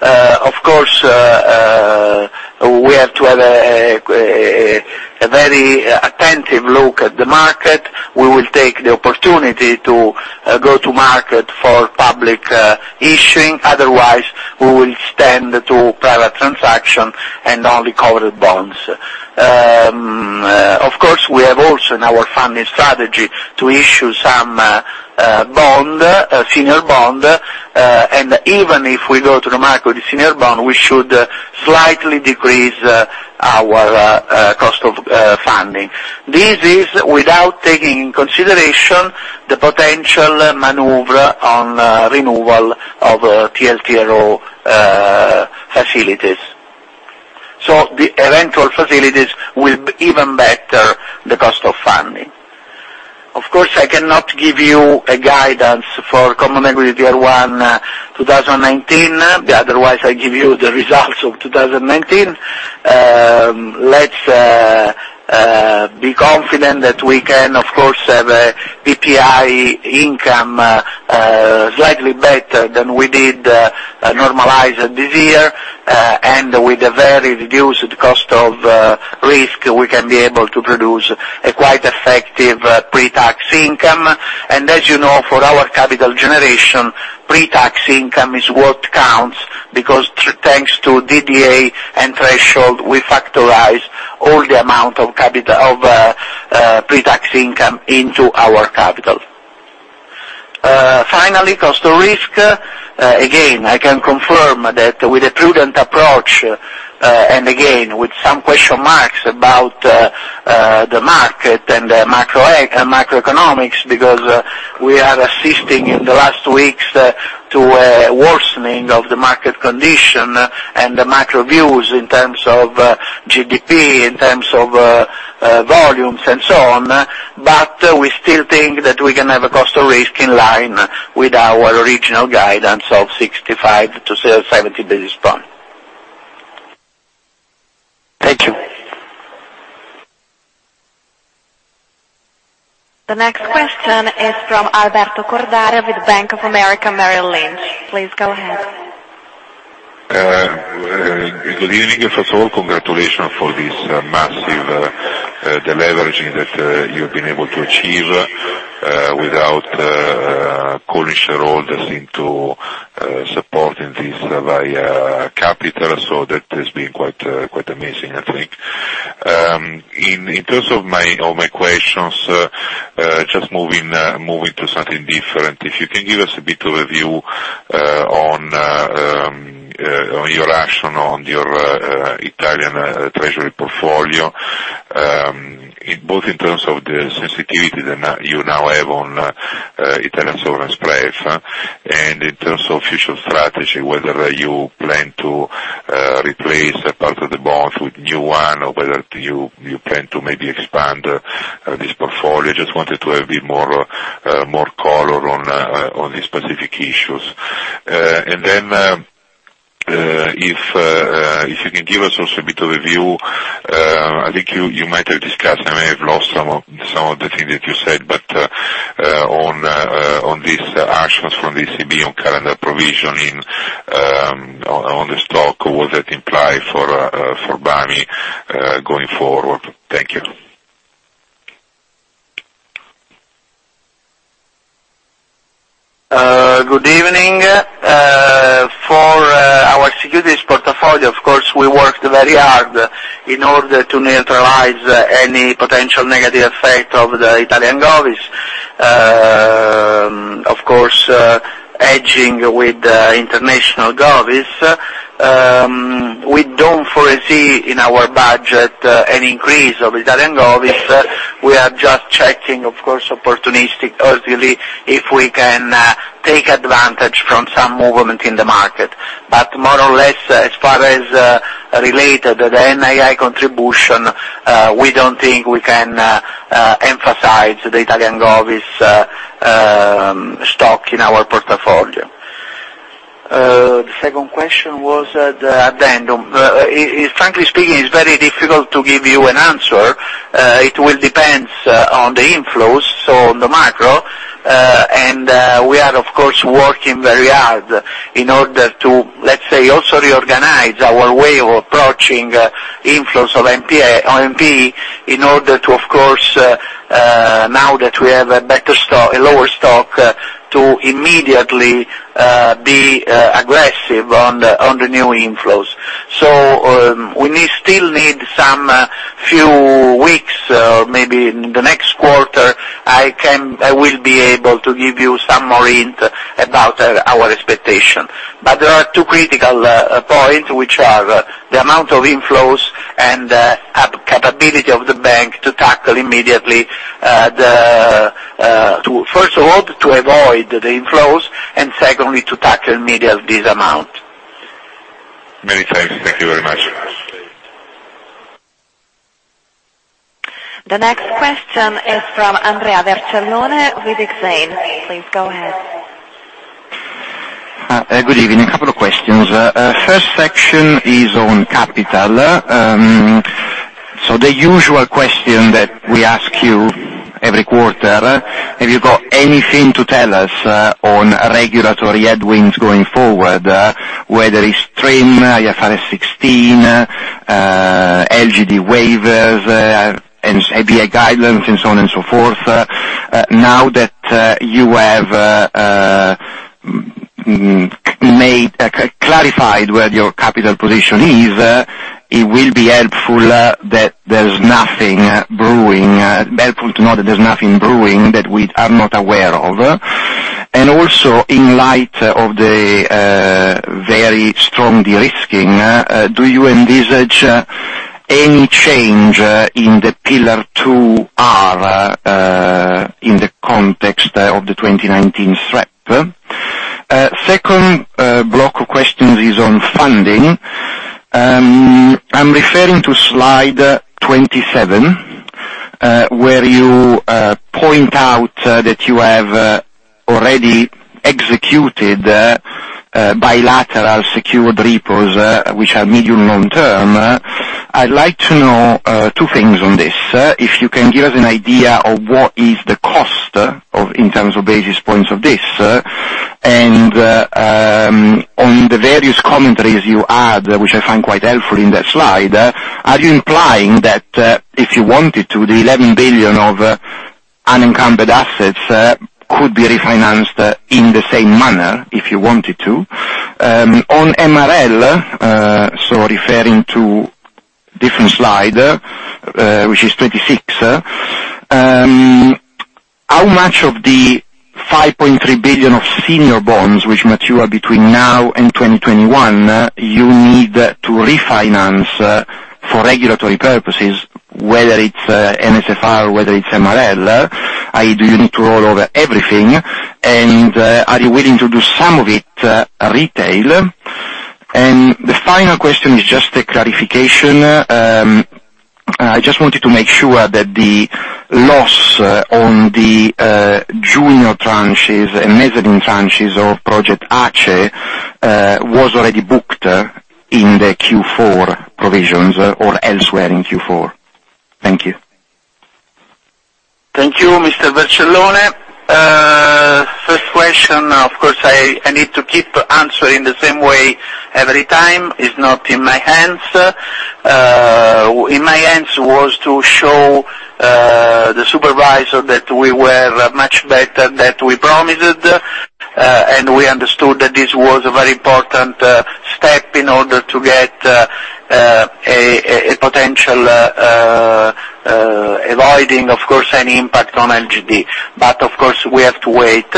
Of course, we have to have a very attentive look at the market. We will take the opportunity to go to market for public issuing. Otherwise, we will stand to private transaction and only covered bonds. Of course, we have also in our funding strategy to issue some senior bond. Even if we go to the market with senior bond, we should slightly decrease our cost of funding. This is without taking into consideration the potential maneuver on renewal of TLTRO facilities. The eventual facilities will be even better the cost of funding. Of course, I cannot give you a guidance for common equity tier 1 2019. Otherwise, I give you the results of 2019. Let's be confident that we can, of course, have a PPI income slightly better than we did normalized this year. With a very reduced cost of risk, we can be able to produce a quite effective pre-tax income. As you know, for our capital generation, pre-tax income is what counts, because thanks to DTA and threshold, we factorize all the amount of pre-tax income into our capital. Finally, cost of risk. Again, I can confirm that with a prudent approach, with some question marks about the market and the macroeconomics, because we are assisting in the last weeks to a worsening of the market condition and the macro views in terms of GDP, in terms of volumes and so on. We still think that we can have a cost of risk in line with our original guidance of 65 to 70 basis points. Thank you. The next question is from Alberto Cordara with Bank of America Corporation. Please go ahead. Good evening. First of all, congratulations for this massive deleveraging that you've been able to achieve without calling shareholders into supporting this via capital. That has been quite amazing, I think. In terms of my questions, just moving to something different, if you can give us a bit overview on your action on your Italian treasury portfolio, both in terms of the sensitivity that you now have on Italian sovereign spreads, and in terms of future strategy, whether you plan to replace a part of the bonds with new one, or whether you plan to maybe expand this portfolio. Just wanted to have a bit more color on these specific issues. If you can give us also a bit overview, I think you might have discussed, I may have lost some of the things that you said, but on these actions from the ECB on calendar provisioning on the stock, what that imply for BAMI going forward. Thank you. Good evening. For our securities portfolio, of course, we worked very hard in order to neutralize any potential negative effect of the Italian govies. Of course, hedging with international govies. We don't foresee in our budget an increase of Italian govies. We are just checking, of course, opportunistically, if we can take advantage from some movement in the market. More or less, as far as related the NII contribution, we don't think we can emphasize the Italian govies stock in our portfolio. The second question was the addendum. Frankly speaking, it's very difficult to give you an answer. It will depend on the inflows, so on the macro. We are, of course, working very hard in order to, let's say, also reorganize our way of approaching inflows of NP in order to, of course, now that we have a lower stock, to immediately be aggressive on the new inflows. We still need some few weeks, or maybe in the next quarter, I will be able to give you some more hint about our expectation. There are two critical points, which are the amount of inflows and capability of the bank to tackle immediately, first of all, to avoid the inflows, and secondly, to tackle immediately this amount. Many thanks. Thank you very much. The next question is from Andrea Vercellone with Exane. Please go ahead. Good evening. A couple of questions. First section is on capital. The usual question that we ask you every quarter, have you got anything to tell us on regulatory headwinds going forward, whether it's TRIM, IFRS 16, LGD waivers, ABI guidelines, and so on and so forth? Now that you have clarified where your capital position is, it will be helpful to know that there's nothing brewing that we are not aware of. In light of the very strong de-risking, do you envisage any change in the Pillar 2R in the context of the 2019 SREP? Second block of questions is on funding. I'm referring to slide 27, where you point out that you have already executed bilateral secured repos, which are medium long-term. I'd like to know two things on this. If you can give us an idea of what is the cost in terms of basis points of this. On the various commentaries you add, which I find quite helpful in that slide, are you implying that if you wanted to, the 11 billion of unencumbered assets could be refinanced in the same manner, if you wanted to? On MREL, referring to different slide, which is 26. How much of the 5.3 billion of senior bonds, which mature between now and 2021, you need to refinance for regulatory purposes, whether it's NSFR, whether it's MREL, i.e., do you need to roll over everything? Are you willing to do some of it retail? The final question is just a clarification. I just wanted to make sure that the loss on the junior tranches and mezzanine tranches of Project ACE was already booked in the Q4 provisions or elsewhere in Q4. Thank you. Thank you, Mr. Vercellone. First question, of course, I need to keep answering the same way every time. It's not in my hands. In my hands was to show the supervisor that we were much better than we promised, and we understood that this was a very important step in order to get a potential avoiding, of course, any impact on LGD. Of course, we have to wait.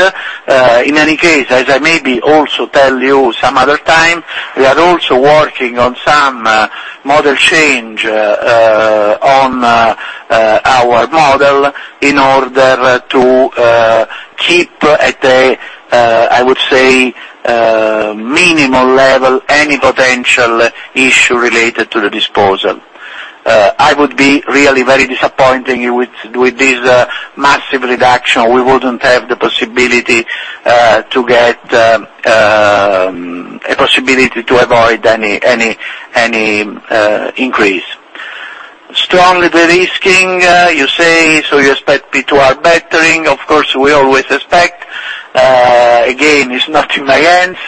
In any case, as I maybe also tell you some other time, we are also working on some model change on our model in order to keep at a, I would say, minimal level, any potential issue related to the disposal. I would be really very disappointed with this massive reduction, we wouldn't have the possibility to avoid any increase. Strongly de-risking, you say, so you expect P2R bettering. Of course, we always expect. Again, it's not in my hands.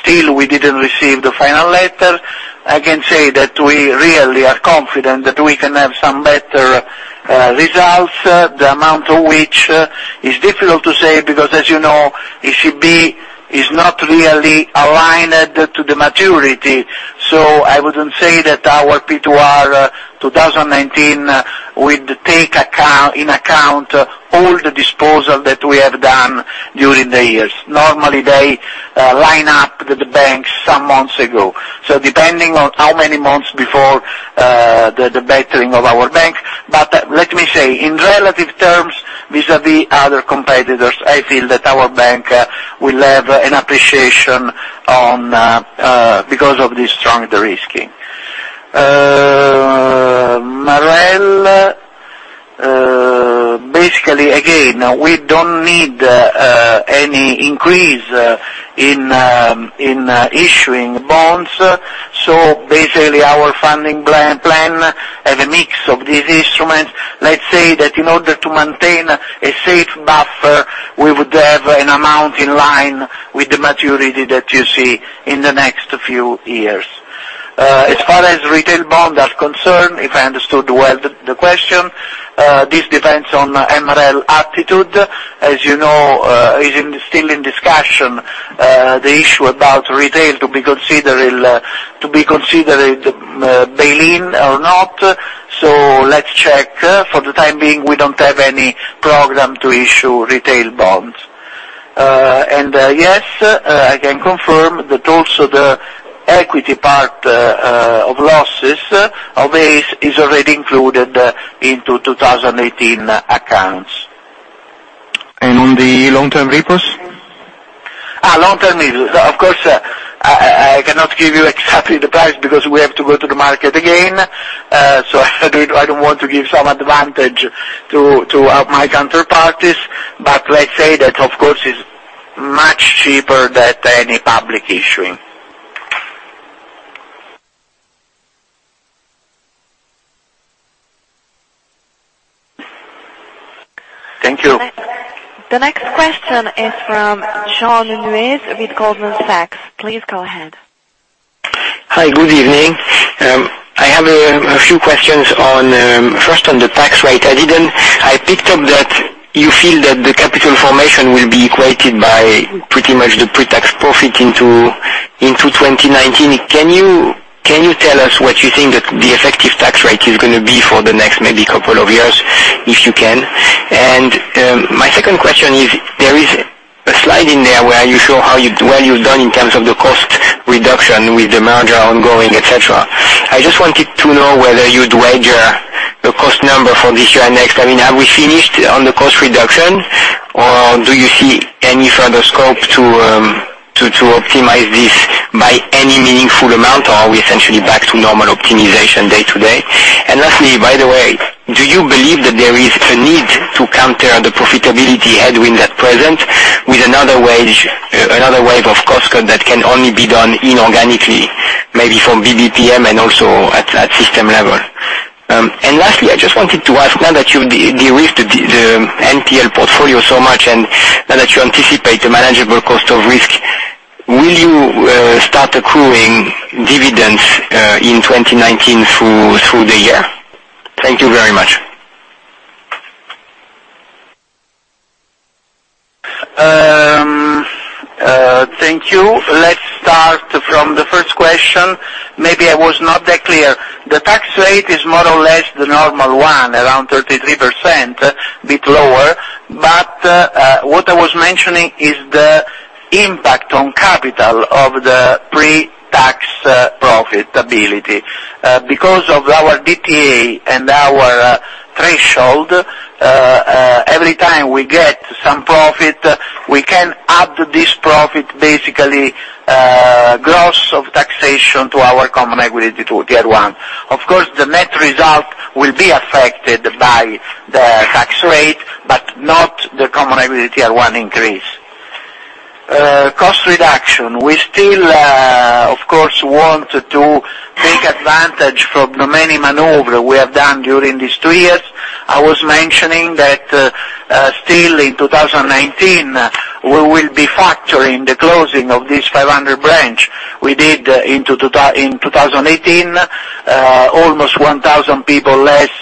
Still, we didn't receive the final letter. I can say that we really are confident that we can have some better results, the amount of which is difficult to say because, as you know, ECB is not really aligned to the maturity. I wouldn't say that our P2R 2019 would take in account all the disposal that we have done during the years. Normally, they line up with the bank some months ago. Depending on how many months before the bettering of our bank. Let me say, in relative terms, vis-à-vis other competitors, I feel that our bank will have an appreciation because of this strong de-risking. MREL, basically, again, we don't need any increase in issuing bonds. Basically, our funding plan have a mix of these instruments. Let's say that in order to maintain a safe buffer, we would have an amount in line with the maturity that you see in the next few years. As far as retail bonds are concerned, if I understood well the question, this depends on MREL attitude. As you know, is still in discussion the issue about retail to be considered bail-in or not. Let's check. For the time being, we don't have any program to issue retail bonds. Yes, I can confirm that also the equity part of losses of ACE is already included into 2018 accounts. On the long-term repos? Long-term repos. Of course, I cannot give you exactly the price because we have to go to the market again. I don't want to give some advantage to my counterparties. Let's say that, of course, it's much cheaper than any public issuing. Thank you. The next question is from Sean Nordqvist with Goldman Sachs Group, Inc. Please go ahead. Hi, good evening. I have a few questions. First, on the tax rate. I picked up that you feel that the capital formation will be equated by pretty much the pre-tax profit into 2019. Can you tell us what you think the effective tax rate is going to be for the next maybe couple of years, if you can? My second question is, there is a slide in there where you show what you've done in terms of the cost reduction with the merger ongoing, et cetera. I just wanted to know whether you'd wager the cost number for this year and next. Have we finished on the cost reduction, or do you see any further scope to optimize this by any meaningful amount, or are we essentially back to normal optimization day to day? Lastly, by the way, do you believe that there is a need to counter the profitability headwind at present with another wave of cost cut that can only be done inorganically, maybe from BPM and also at system level? Lastly, I just wanted to ask now that you de-risked the NPL portfolio so much and now that you anticipate a manageable cost of risk, will you start accruing dividends in 2019 through the year? Thank you very much. Thank you. Let's start from the first question. Maybe I was not that clear. The tax rate is more or less the normal one, around 33%, a bit lower. What I was mentioning is the impact on capital of the pre-tax profitability. Because of our DTA and our threshold, every time we get some profit, we can add this profit, basically, gross of taxation to our common equity tier 1. Of course, the net result will be affected by the tax rate, but not the common equity tier 1 increase. Cost reduction. We still, of course, want to take advantage from the many maneuvers we have done during these two years. I was mentioning that still in 2019, we will be factoring the closing of this 500 branch we did in 2018, almost 1,000 people less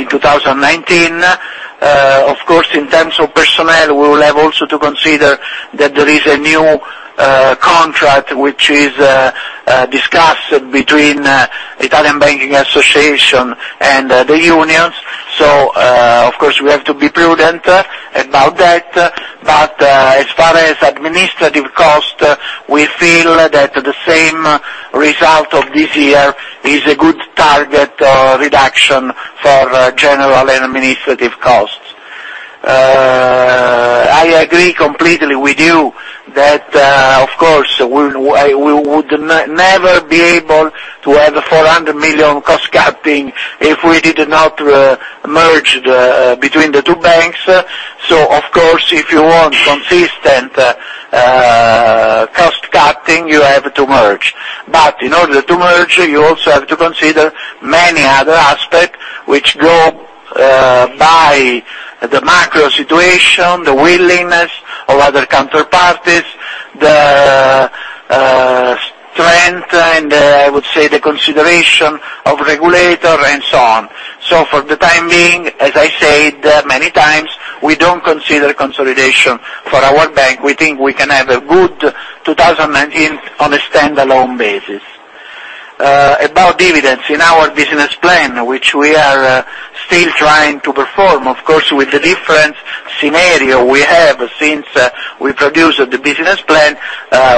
in 2019. Of course, in terms of personnel, we will have also to consider that there is a new contract, which is discussed between Italian Banking Association and the unions. Of course, we have to be prudent about that. As far as administrative cost, we feel that the same result of this year is a good target reduction for general administrative costs. I agree completely with you that, of course, we would never be able to have 400 million cost cutting if we did not merge between the two banks. Of course, if you want consistent cost cutting, you have to merge. In order to merge, you also have to consider many other aspects which go by the macro situation, the willingness of other counterparties, the strength, and I would say, the consideration of regulator and so on. For the time being, as I said many times, we don't consider consolidation for our bank. We think we can have a good 2019 on a standalone basis. About dividends, in our business plan, which we are still trying to perform, of course, with the different scenario we have since we produced the business plan,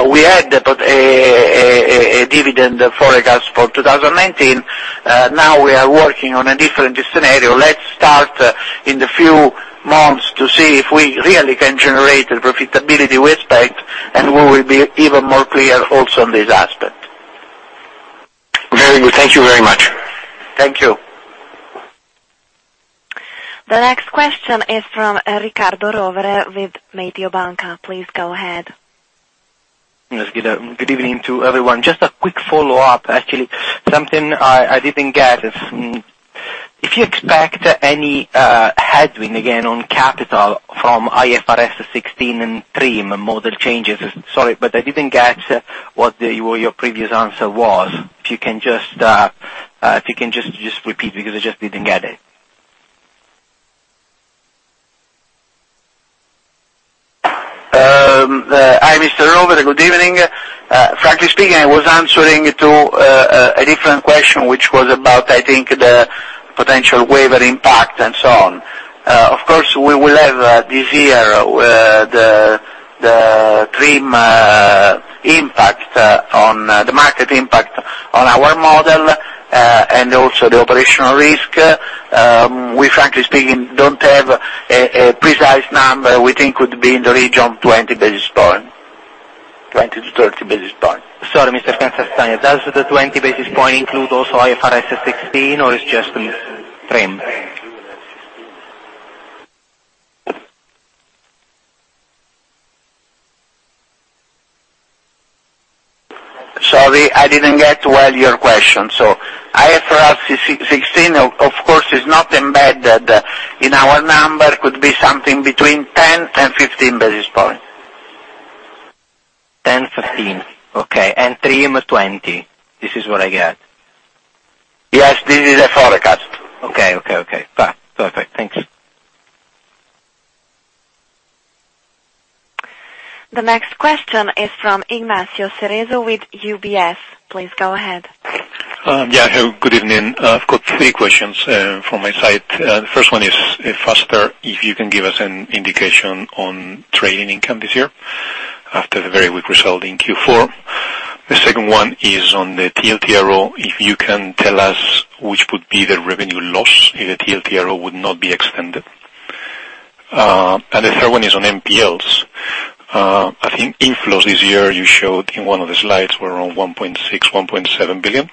we had a dividend forecast for 2019. Now we are working on a different scenario. Let's start in the few months to see if we really can generate the profitability we expect, and we will be even more clear also on this aspect. Very good. Thank you very much. Thank you. The next question is from Riccardo Rovere with Mediobanca. Please go ahead. Yes. Good evening to everyone. Just a quick follow-up, actually, something I didn't get. If you expect any headwind again on capital from IFRS 16 and TRIM model changes. Sorry, I didn't get what your previous answer was. If you can just repeat because I just didn't get it. Hi, Mr. Rovere. Good evening. Frankly speaking, I was answering to a different question, which was about, I think, the potential waiver impact and so on. Of course, we will have this year the TRIM impact, the market impact on our model, and also the operational risk. We, frankly speaking, don't have a precise number. We think could be in the region of 20 basis points, 20 to 30 basis points. Sorry, Mr. Castagna. Does the 20 basis points include also IFRS 16 or it's just TRIM? Sorry, I didn't get well your question. For us, 16, of course, is not embedded in our number. Could be something between 10, 15 basis points. 10, 15. Okay. 3 and 20. This is what I get. Yes. This is a forecast. Okay. Perfect. Thanks. The next question is from Ignacio Cerezo with UBS. Please go ahead. Good evening. I've got three questions from my side. The first one is, if you can give us an indication on trading income this year after the very weak result in Q4. The second one is on the TLTRO, if you can tell us which would be the revenue loss if the TLTRO would not be extended. The third one is on NPLs. I think inflows this year, you showed in one of the slides, were around 1.6 billion,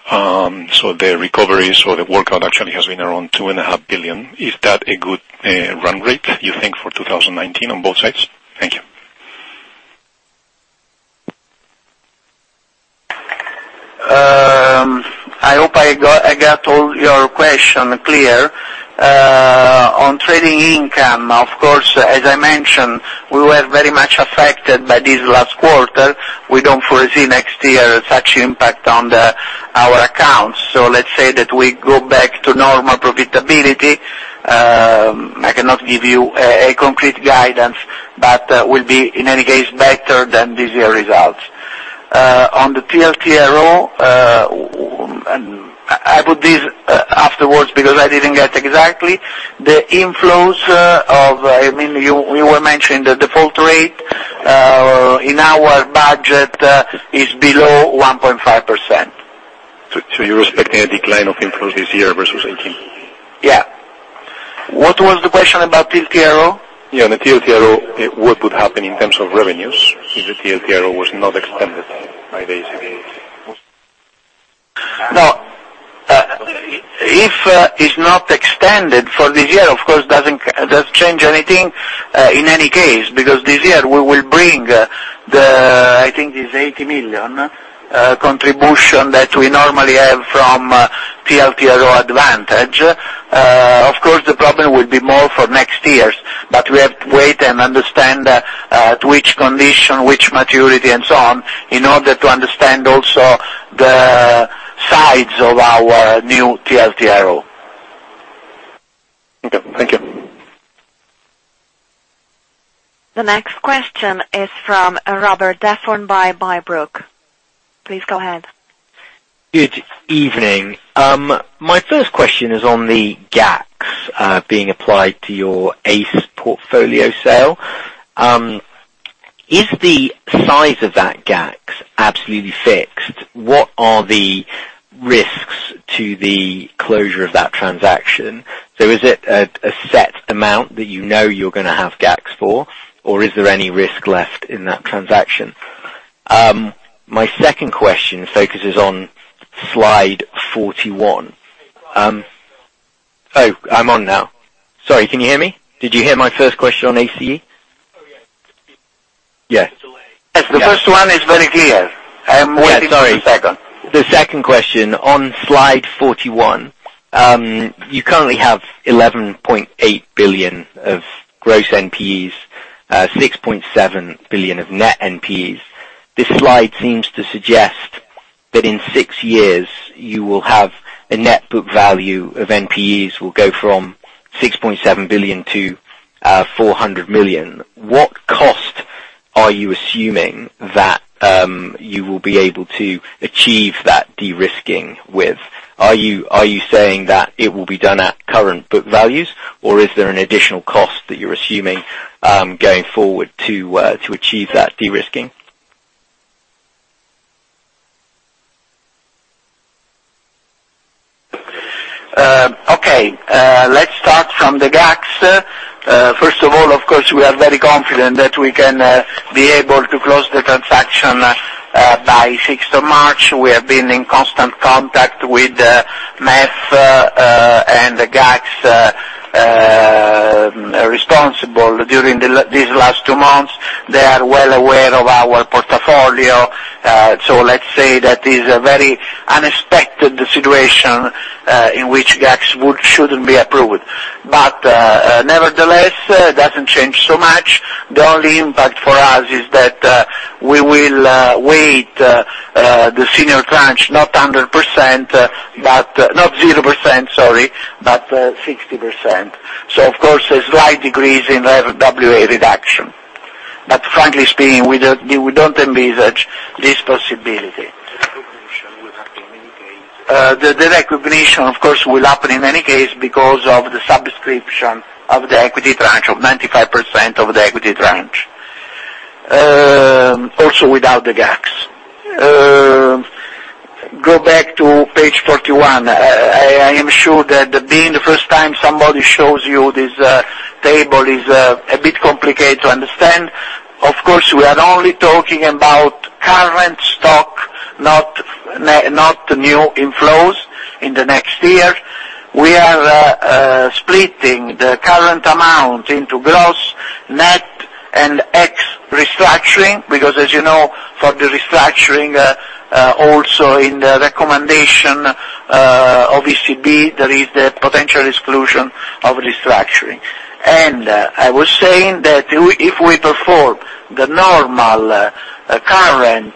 1.7 billion. The recoveries or the workout actually has been around 2.5 billion. Is that a good run rate you think for 2019 on both sides? Thank you. I hope I got all your question clear. On trading income, of course, as I mentioned, we were very much affected by this last quarter. We don't foresee next year such impact on our accounts. Let's say that we go back to normal profitability. I cannot give you a complete guidance, but will be, in any case, better than this year results. On the TLTRO, I put this afterwards because I didn't get exactly. You were mentioning the default rate. In our budget is below 1.5%. You're expecting a decline of inflows this year versus 2018? Yeah. What was the question about TLTRO? Yeah. The TLTRO, what would happen in terms of revenues if the TLTRO was not extended by the ECB? If it's not extended for this year, of course, it doesn't change anything in any case, because this year we will bring the, I think it's 80 million contribution that we normally have from TLTRO advantage. The problem will be more for next years, but we have to wait and understand to which condition, which maturity, and so on, in order to understand also the sides of our new TLTRO. Thank you. The next question is from Robert Dafforn by Bybrook. Please go ahead. Good evening. My first question is on the GACS being applied to your ACE portfolio sale. Is the size of that GACS absolutely fixed? What are the risks to the closure of that transaction? Is it a set amount that you know you're going to have GACS for, or is there any risk left in that transaction? My second question focuses on slide 41. Oh, I'm on now. Sorry. Can you hear me? Did you hear my first question on ACE? Yes. The first one is very clear. I am waiting for the second. Sorry. The second question on slide 41. You currently have 11.8 billion of gross NPEs, 6.7 billion of net NPEs. This slide seems to suggest that in six years, you will have a net book value of NPEs will go from 6.7 billion to 400 million. What cost are you assuming that you will be able to achieve that de-risking with? Are you saying that it will be done at current book values, or is there an additional cost that you're assuming going forward to achieve that de-risking? Okay. Let's start from the GACS. First of all, of course, we are very confident that we can be able to close the transaction by 6th of March. We have been in constant contact with MEF and the GACS responsible during these last two months. They are well aware of our portfolio. Let's say that is a very unexpected situation in which GACS shouldn't be approved. Nevertheless, it doesn't change so much. The only impact for us is that we will weight the senior tranche, not 0%, but 60%. Of course, a slight decrease in RWA reduction. Frankly speaking, we don't envisage this possibility. Recognition will happen in any case? The recognition, of course, will happen in any case because of the subscription of the equity tranche of 95% of the equity tranche, also without the GACS. Go back to page 41. I am sure that being the first time somebody shows you this table is a bit complicated to understand. Of course, we are only talking about current stock, not new inflows in the next year. We are splitting the current amount into gross, net, and exit- restructuring, because as you know, for the restructuring, also in the recommendation of ECB, there is the potential exclusion of restructuring. I was saying that if we perform the normal current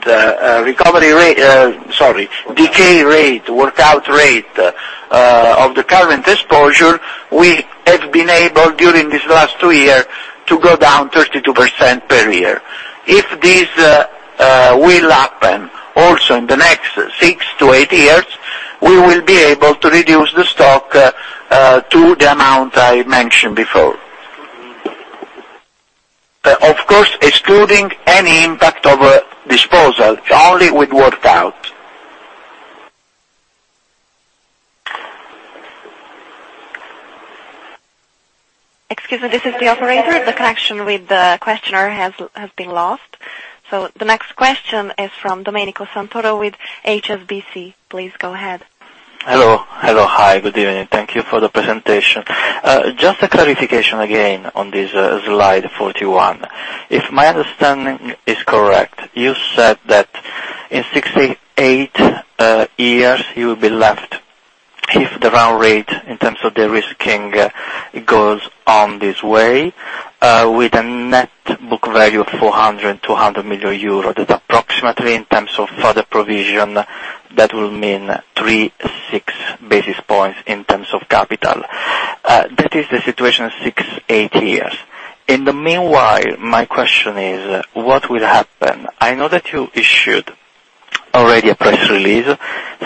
recovery rate, sorry, decay rate, workout rate of the current exposure, we have been able, during these last two years, to go down 32% per year. If this will happen also in the next six to eight years, we will be able to reduce the stock to the amount I mentioned before. Excluding? Of course, excluding any impact of a disposal, only with workout. Excuse me, this is the operator. The connection with the questioner has been lost. The next question is from Domenico Santoro with HSBC. Please go ahead. Hello. Hi, good evening. Thank you for the presentation. Just a clarification again on this slide 41. If my understanding is correct, you said that in six to eight years you will be left, if the run rate in terms of the risk goes on this way, with a net book value of 400 million, 200 million euro. That approximately in terms of further provision, that will mean 3-6 basis points in terms of capital. That is the situation in six, eight years. In the meanwhile, my question is, what will happen? I know that you issued already a press release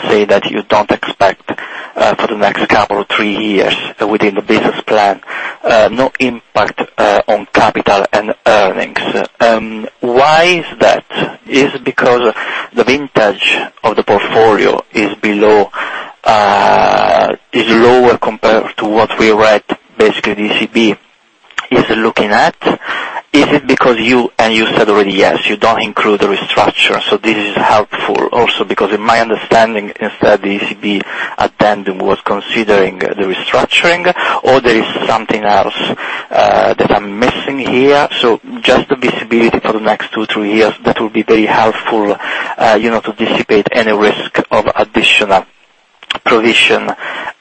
saying that you don't expect for the next couple or three years within the business plan, no impact on capital and earnings. Why is that? Is it because the vintage of the portfolio is lower compared to what we read, basically the ECB is looking at? Is it because you, and you said already, yes, you don't include the restructure, so this is helpful also because in my understanding, instead, the ECB addendum was considering the restructuring, or there is something else that I'm missing here. So just the visibility for the next two, three years, that will be very helpful to dissipate any risk of additional provision,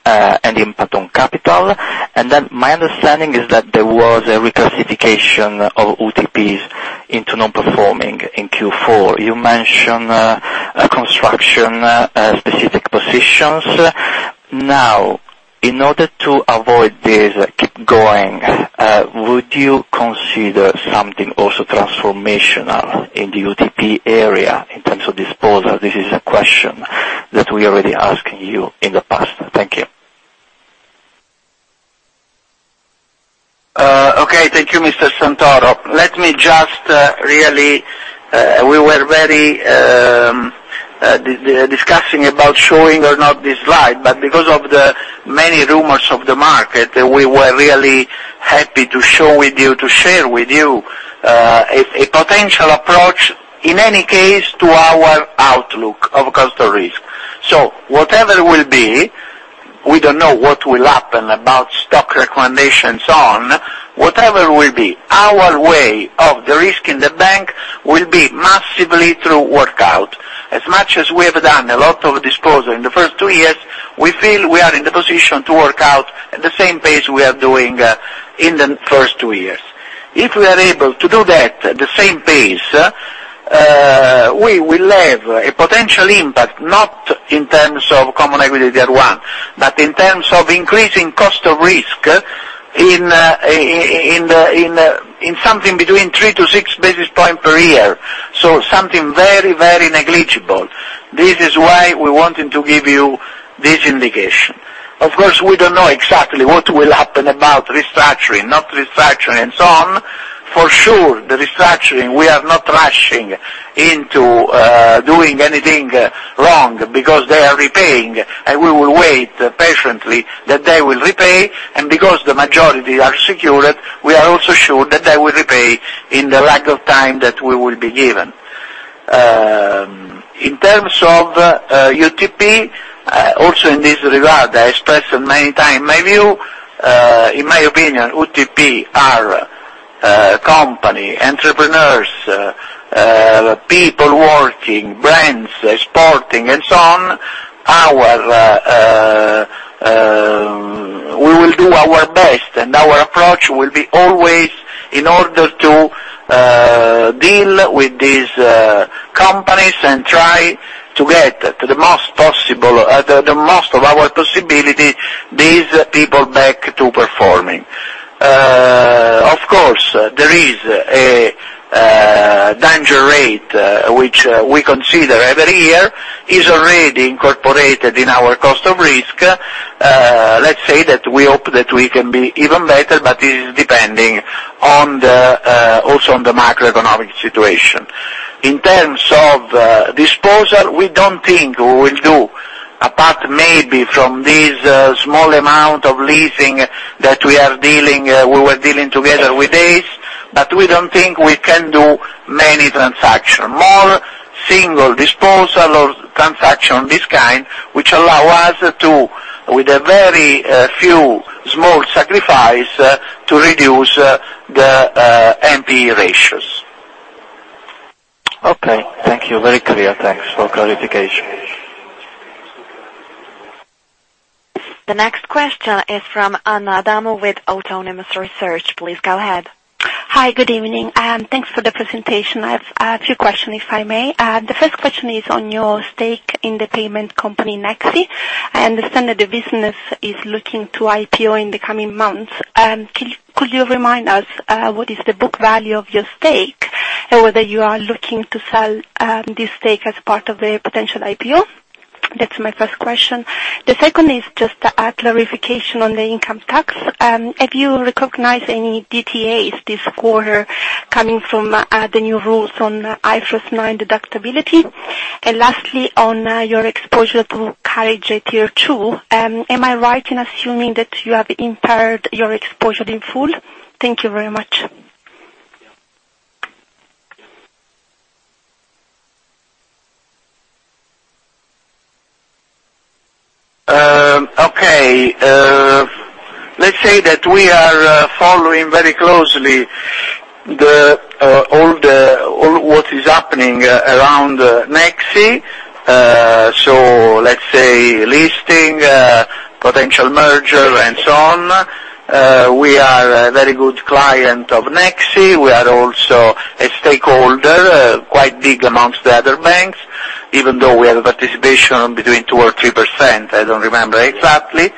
and impact on capital. Then my understanding is that there was a reclassification of UTPs into non-performing in Q4. You mentioned construction specific positions. Now, in order to avoid this keep going, would you consider something also transformational in the UTP area in terms of disposal? This is a question that we already asked you in the past. Thank you. Okay. Thank you, Mr. Santoro. We were discussing about showing or not this slide, but because of the many rumors of the market, we were really happy to share with you a potential approach, in any case, to our outlook of cost of risk. Whatever will be, we don't know what will happen about stock recommendations on, whatever will be our way of the risk in the bank will be massively through workout. As much as we have done a lot of disposal in the first two years, we feel we are in the position to work out at the same pace we are doing in the first two years. If we are able to do that at the same pace, we will have a potential impact, not in terms of common equity tier 1, but in terms of increasing cost of risk in something between 3-6 basis point per year. So something very negligible. Of course, we don't know exactly what will happen about restructuring, not restructuring, and so on. For sure, the restructuring, we are not rushing into doing anything wrong because they are repaying, and we will wait patiently that they will repay. And because the majority are secured, we are also sure that they will repay in the lack of time that we will be given. In terms of UTP, also in this regard, I expressed many time my view, in my opinion, UTP are company, entrepreneurs, people working, brands, sporting, and so on. We will do our best. Our approach will be always in order to deal with these companies and try to get to the most of our possibility, these people back to performing. Of course, there is a danger rate, which we consider every year is already incorporated in our cost of risk. Let's say that we hope that we can be even better, but this is depending also on the macroeconomic situation. In terms of disposal, we don't think we will do, apart maybe from this small amount of leasing that we were dealing together with ACE, but we don't think we can do many transaction. More single disposal or transaction of this kind, which allow us to, with a very few small sacrifice, to reduce the NPE ratios. Okay, thank you. Very clear. Thanks for clarification. The next question is from Anna Adamo with Autonomous Research. Please go ahead. Hi, good evening. Thanks for the presentation. I have a few questions, if I may. The first question is on your stake in the payment company Nexi. I understand that the business is looking to IPO in the coming months. Could you remind me what is the book value of your stake and whether you are looking to sell this stake as part of the potential IPO? That's my first question. The second is just a clarification on the income tax. Have you recognized any DTAs this quarter coming from the new rules on IFRS 9 deductibility? Lastly, on your exposure to Carige Tier 2, am I right in assuming that you have impaired your exposure in full? Thank you very much. Okay. Let's say that we are following very closely what is happening around Nexi. Let's say listing, potential merger, and so on. We are a very good client of Nexi. We are also a stakeholder, quite big amongst the other banks, even though we have a participation between 2% or 3%, I don't remember exactly.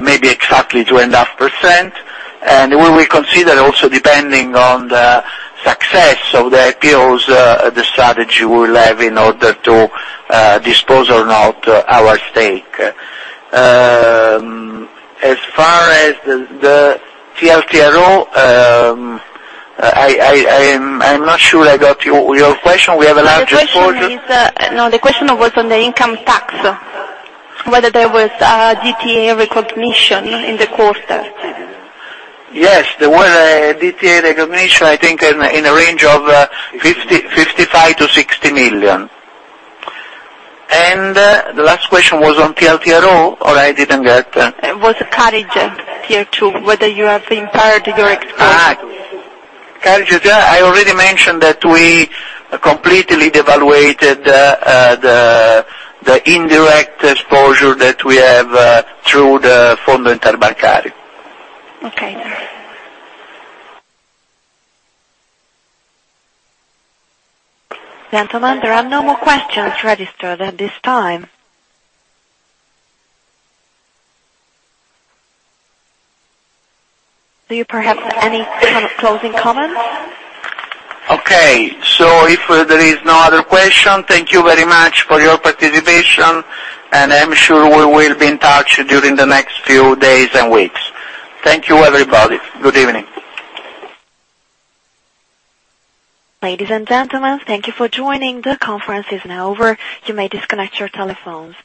Maybe exactly 2.5%. We will consider also depending on the success of the IPOs, the strategy we will have in order to dispose or not our stake. As far as the TLTRO, I'm not sure I got your question. We have a large exposure- The question was on the income tax, whether there was DTA recognition in the quarter. Yes, there were DTA recognition, I think in the range of 55 million-60 million. The last question was on TLTRO or I didn't get. It was Carige Tier 2, whether you have impaired your exposure. Carige. I already mentioned that we completely devalued the indirect exposure that we have through the Fondo Interbancario. Okay. Gentlemen, there are no more questions registered at this time. Do you perhaps have any closing comments? Okay. If there is no other question, thank you very much for your participation, and I'm sure we will be in touch during the next few days and weeks. Thank you, everybody. Good evening. Ladies and gentlemen, thank you for joining. The conference is now over. You may disconnect your telephones.